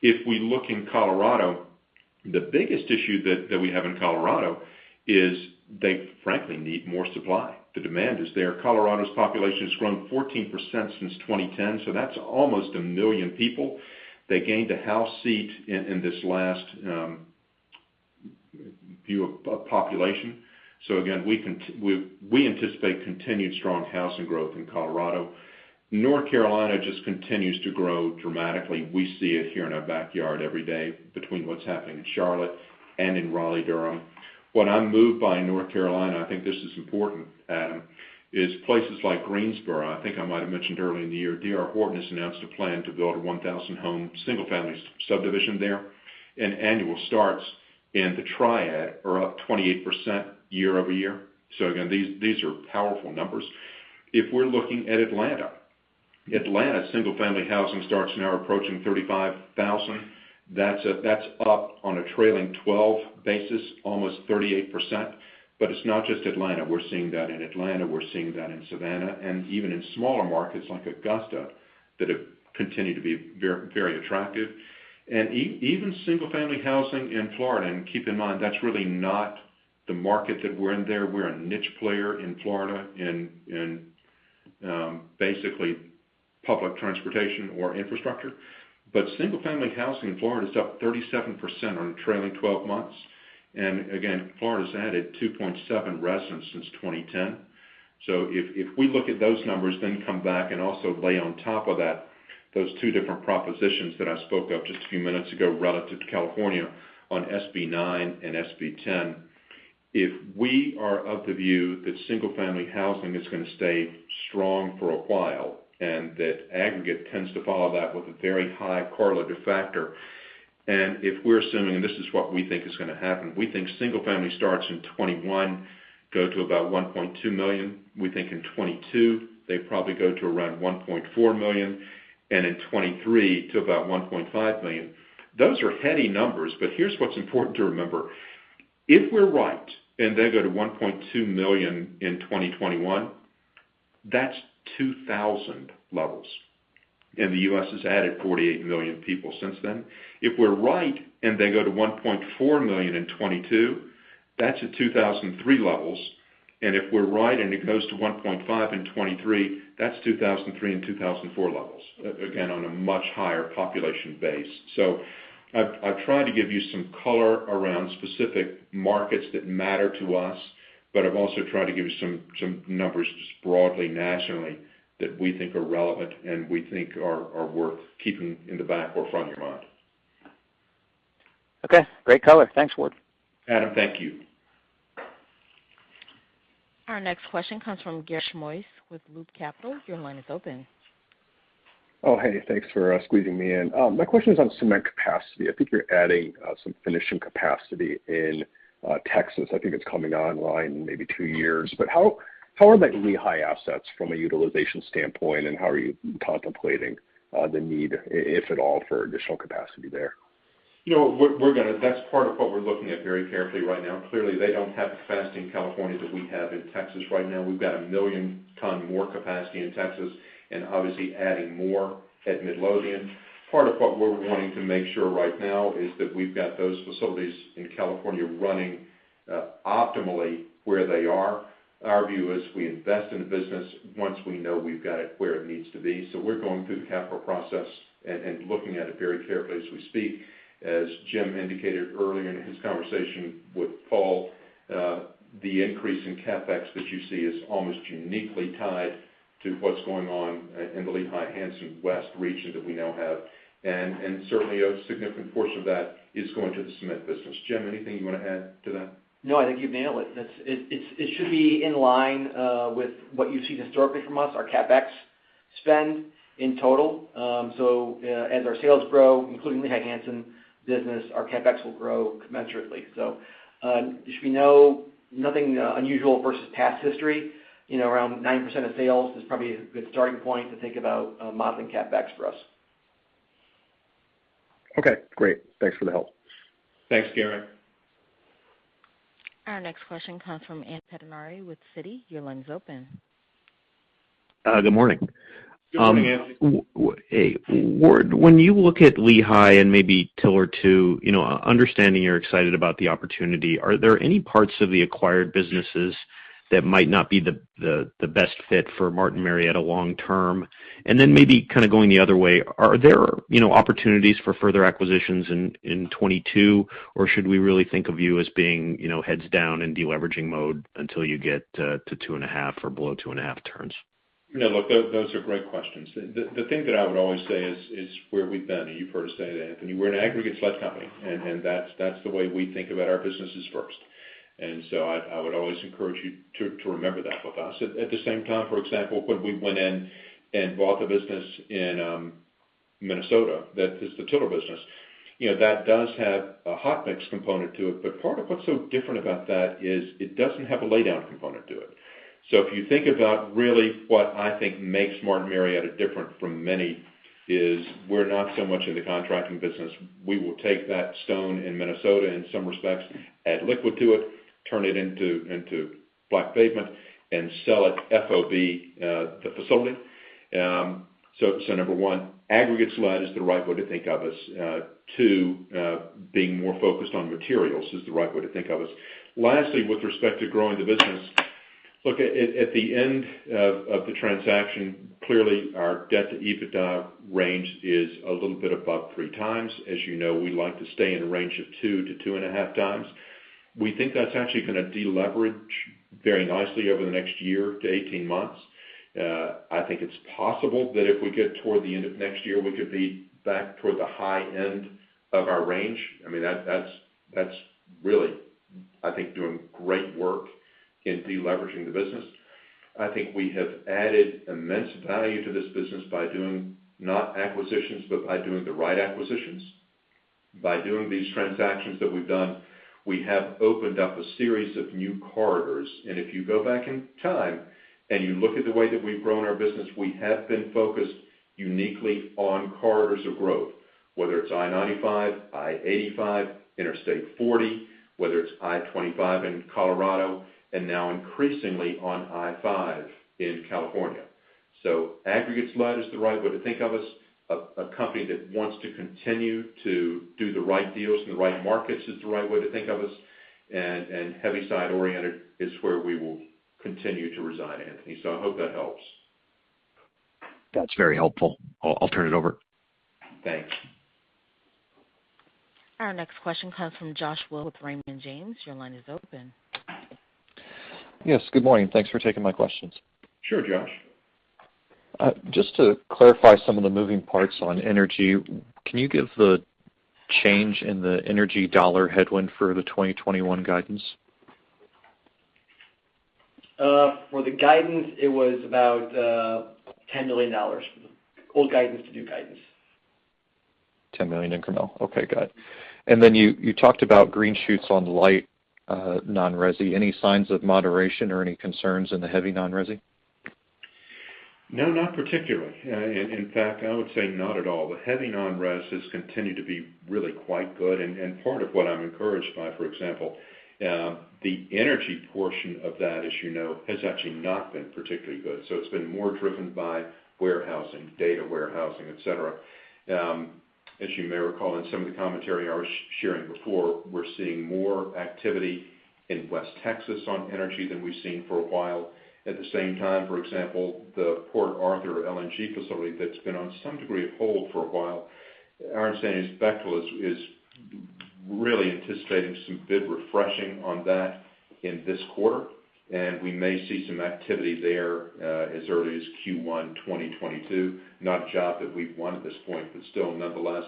If we look in Colorado, the biggest issue that we have in Colorado is they frankly need more supply. The demand is there. Colorado's population has grown 14% since 2010, so that's almost a million people. They gained a House seat in this last census of population. We anticipate continued strong housing growth in Colorado. North Carolina just continues to grow dramatically. We see it here in our backyard every day between what's happening in Charlotte and in Raleigh-Durham. What I'm moved by in North Carolina, I think this is important, Adam, is places like Greensboro. I think I might have mentioned earlier in the year, D.R. Horton has announced a plan to build a 1,000-home single-family subdivision there. Annual starts in the Triad are up 28% year-over-year. These are powerful numbers. If we're looking at Atlanta, single-family housing starts now approaching 35,000. That's up on a trailing twelve basis, almost 38%. It's not just Atlanta. We're seeing that in Atlanta, we're seeing that in Savannah, and even in smaller markets like Augusta that have continued to be very attractive. Even single-family housing in Florida, and keep in mind, that's really not the market that we're in there. We're a niche player in Florida in basically public transportation or infrastructure. Single-family housing in Florida is up 37% on trailing twelve months. Again, Florida's added 2.7 million residents since 2010. If we look at those numbers, then come back and also lay on top of that, those two different propositions that I spoke of just a few minutes ago relative to California on SB 9 and SB 10. If we are of the view that single-family housing is gonna stay strong for a while, and that aggregate tends to follow that with a very high correlative factor, and if we're assuming, and this is what we think is gonna happen, we think single-family starts in 2021 go to about 1.2 million. We think in 2022, they probably go to around 1.4 million, and in 2023 to about 1.5 million. Those are heady numbers, but here's what's important to remember. If we're right and they go to 1.2 million in 2021, that's 2000 levels, and the U.S. has added 48 million people since then. If we're right and they go to 1.4 million in 2022, that's at 2003 levels. If we're right and it goes to 1.5 in 2023, that's 2003 and 2004 levels, again, on a much higher population base. I've tried to give you some color around specific markets that matter to us, but I've also tried to give you some numbers just broadly, nationally that we think are relevant and we think are worth keeping in the back or front of your mind. Okay, great color. Thanks, Ward. Adam, thank you. Our next question comes from Garik Shmois with Loop Capital. Your line is open. Oh, hey, thanks for squeezing me in. My question is on cement capacity. I think you're adding some finishing capacity in Texas. I think it's coming online in maybe two years. How are the Lehigh assets from a utilization standpoint, and how are you contemplating the need, if at all, for additional capacity there? You know, we're gonna. That's part of what we're looking at very carefully right now. Clearly, they don't have the capacity in California that we have in Texas right now. We've got 1 million ton more capacity in Texas and obviously adding more at Midlothian. Part of what we're wanting to make sure right now is that we've got those facilities in California running optimally where they are. Our view is we invest in the business once we know we've got it where it needs to be. We're going through the capital process and looking at it very carefully as we speak. As Jim indicated earlier in his conversation with Paul, the increase in CapEx that you see is almost uniquely tied to what's going on in the Lehigh Hanson West Region that we now have. Certainly, a significant portion of that is going to the cement business. Jim, anything you wanna add to that? No, I think you've nailed it. It should be in line with what you've seen historically from us, our CapEx spend in total. As our sales grow, including Lehigh Hanson business, our CapEx will grow commensurately. There should be nothing unusual versus past history. You know, around 9% of sales is probably a good starting point to think about modeling CapEx for us. Okay, great. Thanks for the help. Thanks, Ger. Our next question comes from Anthony Pettinari with Citi. Your line is open. Good morning. Good morning, Andy. Hey, Ward, when you look at Lehigh and maybe Tiller, too, you know, understanding you're excited about the opportunity, are there any parts of the acquired businesses that might not be the best fit for Martin Marietta long term? Maybe kinda going the other way, are there, you know, opportunities for further acquisitions in 2022, or should we really think of you as being, you know, heads down in deleveraging mode until you get to 2.5 or below 2.5 turns? Yeah, look, those are great questions. The thing that I would always say is where we've been, and you've heard us say that, Anthony. We're an aggregate-led company, and that's the way we think about our businesses first. I would always encourage you to remember that with us. At the same time, for example, when we went in and bought the business in Minnesota, that is the Tiller business, you know, that does have a hot mix component to it, but part of what's so different about that is it doesn't have a lay down component to it. If you think about really what I think makes Martin Marietta different from many is we're not so much in the contracting business. We will take that stone in Minnesota, in some respects, add liquid to it, turn it into black pavement, and sell it FOB the facility. Number one, aggregates-led is the right way to think of us. Two, being more focused on materials is the right way to think of us. Lastly, with respect to growing the business, at the end of the transaction, clearly, our debt-to-EBITDA range is a little bit above 3x. As you know, we like to stay in a range of 2x to 2.5x. We think that's actually gonna deleverage very nicely over the next year to 18 months. I think it's possible that if we get toward the end of next year, we could be back toward the high end of our range. I mean, that's really, I think, doing great work in deleveraging the business. I think we have added immense value to this business by doing not acquisitions, but by doing the right acquisitions. By doing these transactions that we've done, we have opened up a series of new corridors. If you go back in time and you look at the way that we've grown our business, we have been focused uniquely on corridors of growth, whether it's I-95, I-85, Interstate 40, whether it's I-25 in Colorado, and now increasingly on I-5 in California. Aggregate-led is the right way to think of us. A company that wants to continue to do the right deals in the right markets is the right way to think of us, and heavy-side oriented is where we will continue to reside, Anthony. I hope that helps. That's very helpful. I'll turn it over. Thanks. Our next question comes from Josh Wilson with Raymond James. Your line is open. Yes, good morning. Thanks for taking my questions. Sure, Josh. Just to clarify some of the moving parts on energy, can you give the change in the energy dollar headwind for the 2021 guidance? For the guidance, it was about $10 million from the old guidance to new guidance. $10 million incremental. Okay, got it. You talked about green shoots on light non-resi. Any signs of moderation or any concerns in the heavy non-resi? No, not particularly. In fact, I would say not at all. The heavy non-res has continued to be really quite good. Part of what I'm encouraged by, for example, the energy portion of that, as you know, has actually not been particularly good. It's been more driven by warehousing, data warehousing, et cetera. As you may recall in some of the commentary I was sharing before, we're seeing more activity in West Texas on energy than we've seen for a while. At the same time, for example, the Port Arthur LNG facility that's been on some degree of hold for a while, our understanding is Bechtel is really anticipating some bid refreshing on that in this quarter, and we may see some activity there, as early as Q1 2022. Not a job that we've won at this point, but still nonetheless,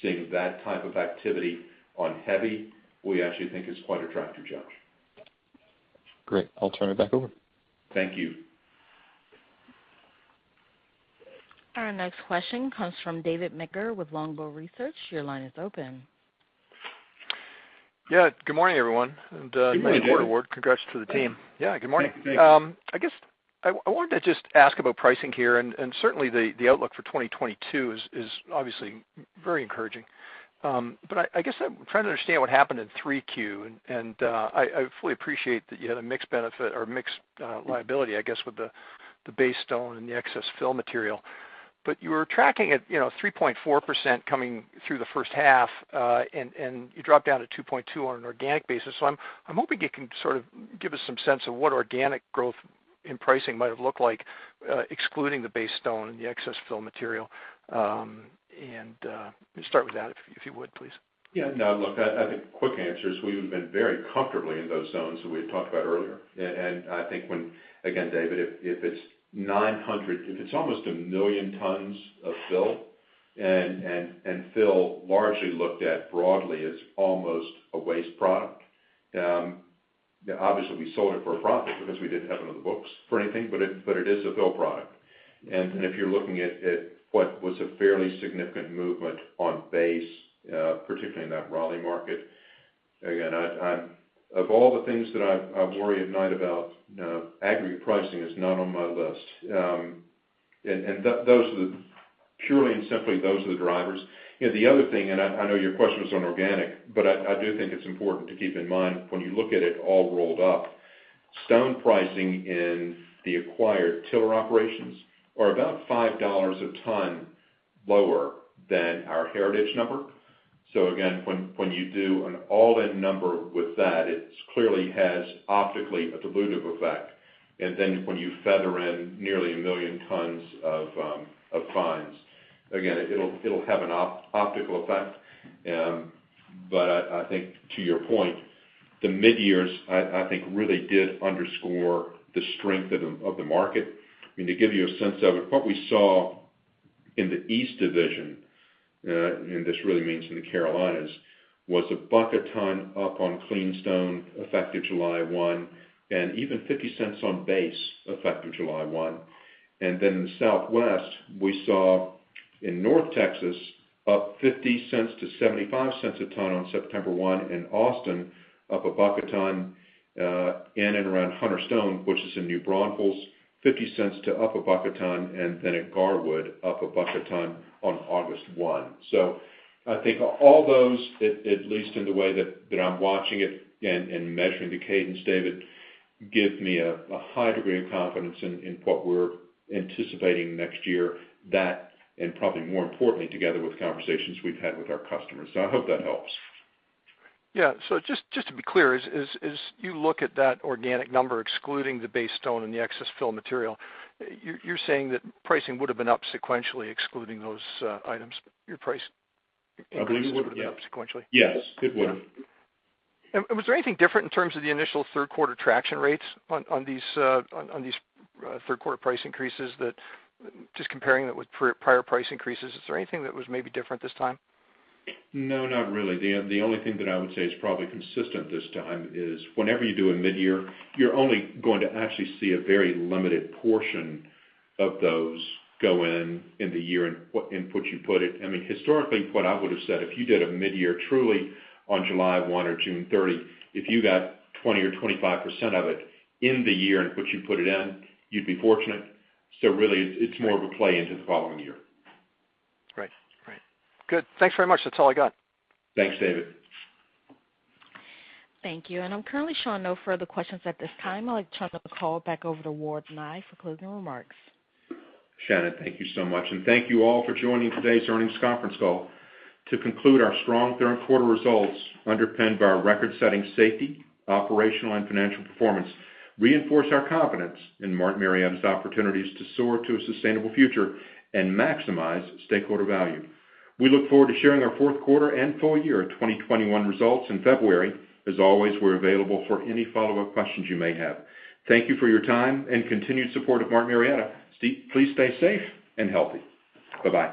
seeing that type of activity on heavy, we actually think is quite attractive. Great. I'll turn it back over. Thank you. Our next question comes from David MacGregor with Longbow Research. Your line is open. Yeah. Good morning, everyone. Good morning, David. Nice quarter, Ward. Congrats to the team. Yeah, good morning. Thanks. I guess I wanted to just ask about pricing here, and certainly the outlook for 2022 is obviously very encouraging. I guess I'm trying to understand what happened in 3Q. I fully appreciate that you had a mixed benefit or mixed liability, I guess, with the base stone and the excess fill material. You were tracking at, you know, 3.4% coming through the first half, and you dropped down to 2.2% on an organic basis. I'm hoping you can sort of give us some sense of what organic growth in pricing might have looked like, excluding the base stone and the excess fill material. Start with that if you would, please. Yeah. No, look, I think quick answer is we've been very comfortably in those zones that we had talked about earlier. I think when, again, David, if it's almost 1 million tons of fill, and fill largely looked at broadly as almost a waste product, obviously we sold it for a profit because we didn't have it on the books for anything, but it is a fill product. If you're looking at what was a fairly significant movement on base, particularly in that Raleigh market, again, of all the things that I worry at night about, aggregate pricing is not on my list. Purely and simply, those are the drivers. You know, the other thing, I know your question was on organic, but I do think it's important to keep in mind when you look at it all rolled up, stone pricing in the acquired Tiller operations are about $5 a ton lower than our heritage number. Again, when you do an all-in number with that, it clearly has optically a dilutive effect. Then when you feather in nearly 1 million tons of fines, again, it'll have an optical effect. But I think to your point, the midyears I think really did underscore the strength of the market. I mean, to give you a sense of it, what we saw in the East Division, and this really means in the Carolinas, was $1 a ton up on clean stone effective July 1, and even $0.50 on base effective July 1. In the Southwest, we saw in North Texas up $0.50-$0.75 a ton on September 1 in Austin, up $1 a ton, in and around Hunter Stone, which is in New Braunfels, $0.50 to up $1 a ton, and then at Garwood, up $1 a ton on August 1. I think all those, at least in the way that I'm watching it and measuring the cadence, David, give me a high degree of confidence in what we're anticipating next year, and probably more importantly, together with conversations we've had with our customers. I hope that helps. Yeah. Just to be clear, as you look at that organic number, excluding the base stone and the excess fill material, you're saying that pricing would've been up sequentially, excluding those items? Your price increase- I believe so, yeah. would've been up sequentially. Yes, it would've. Was there anything different in terms of the initial third-quarter traction rates on these third quarter price increases that just comparing it with prior price increases, is there anything that was maybe different this time? No, not really. The only thing that I would say is probably consistent this time is whenever you do a mid-year, you're only going to actually see a very limited portion of those go in the year in what input you put it. I mean, historically, what I would've said, if you did a mid-year truly on July 1 or June 30, if you got 20 or 25% of it in the year in which you put it in, you'd be fortunate. Really, it's more of a play into the following year. Great. Good. Thanks very much. That's all I got. Thanks, David. Thank you. I'm currently showing no further questions at this time. I'll turn the call back over to Ward Nye for closing remarks. Shannon, thank you so much, and thank you all for joining today's earnings conference call. To conclude, our strong third quarter results underpinned by our record-setting safety, operational, and financial performance reinforce our confidence in Martin Marietta's opportunities to soar to a sustainable future and maximize stakeholder value. We look forward to sharing our fourth-quarter and full-year 2021 results in February. As always, we're available for any follow-up questions you may have. Thank you for your time and continued support of Martin Marietta. Please stay safe and healthy. Bye bye.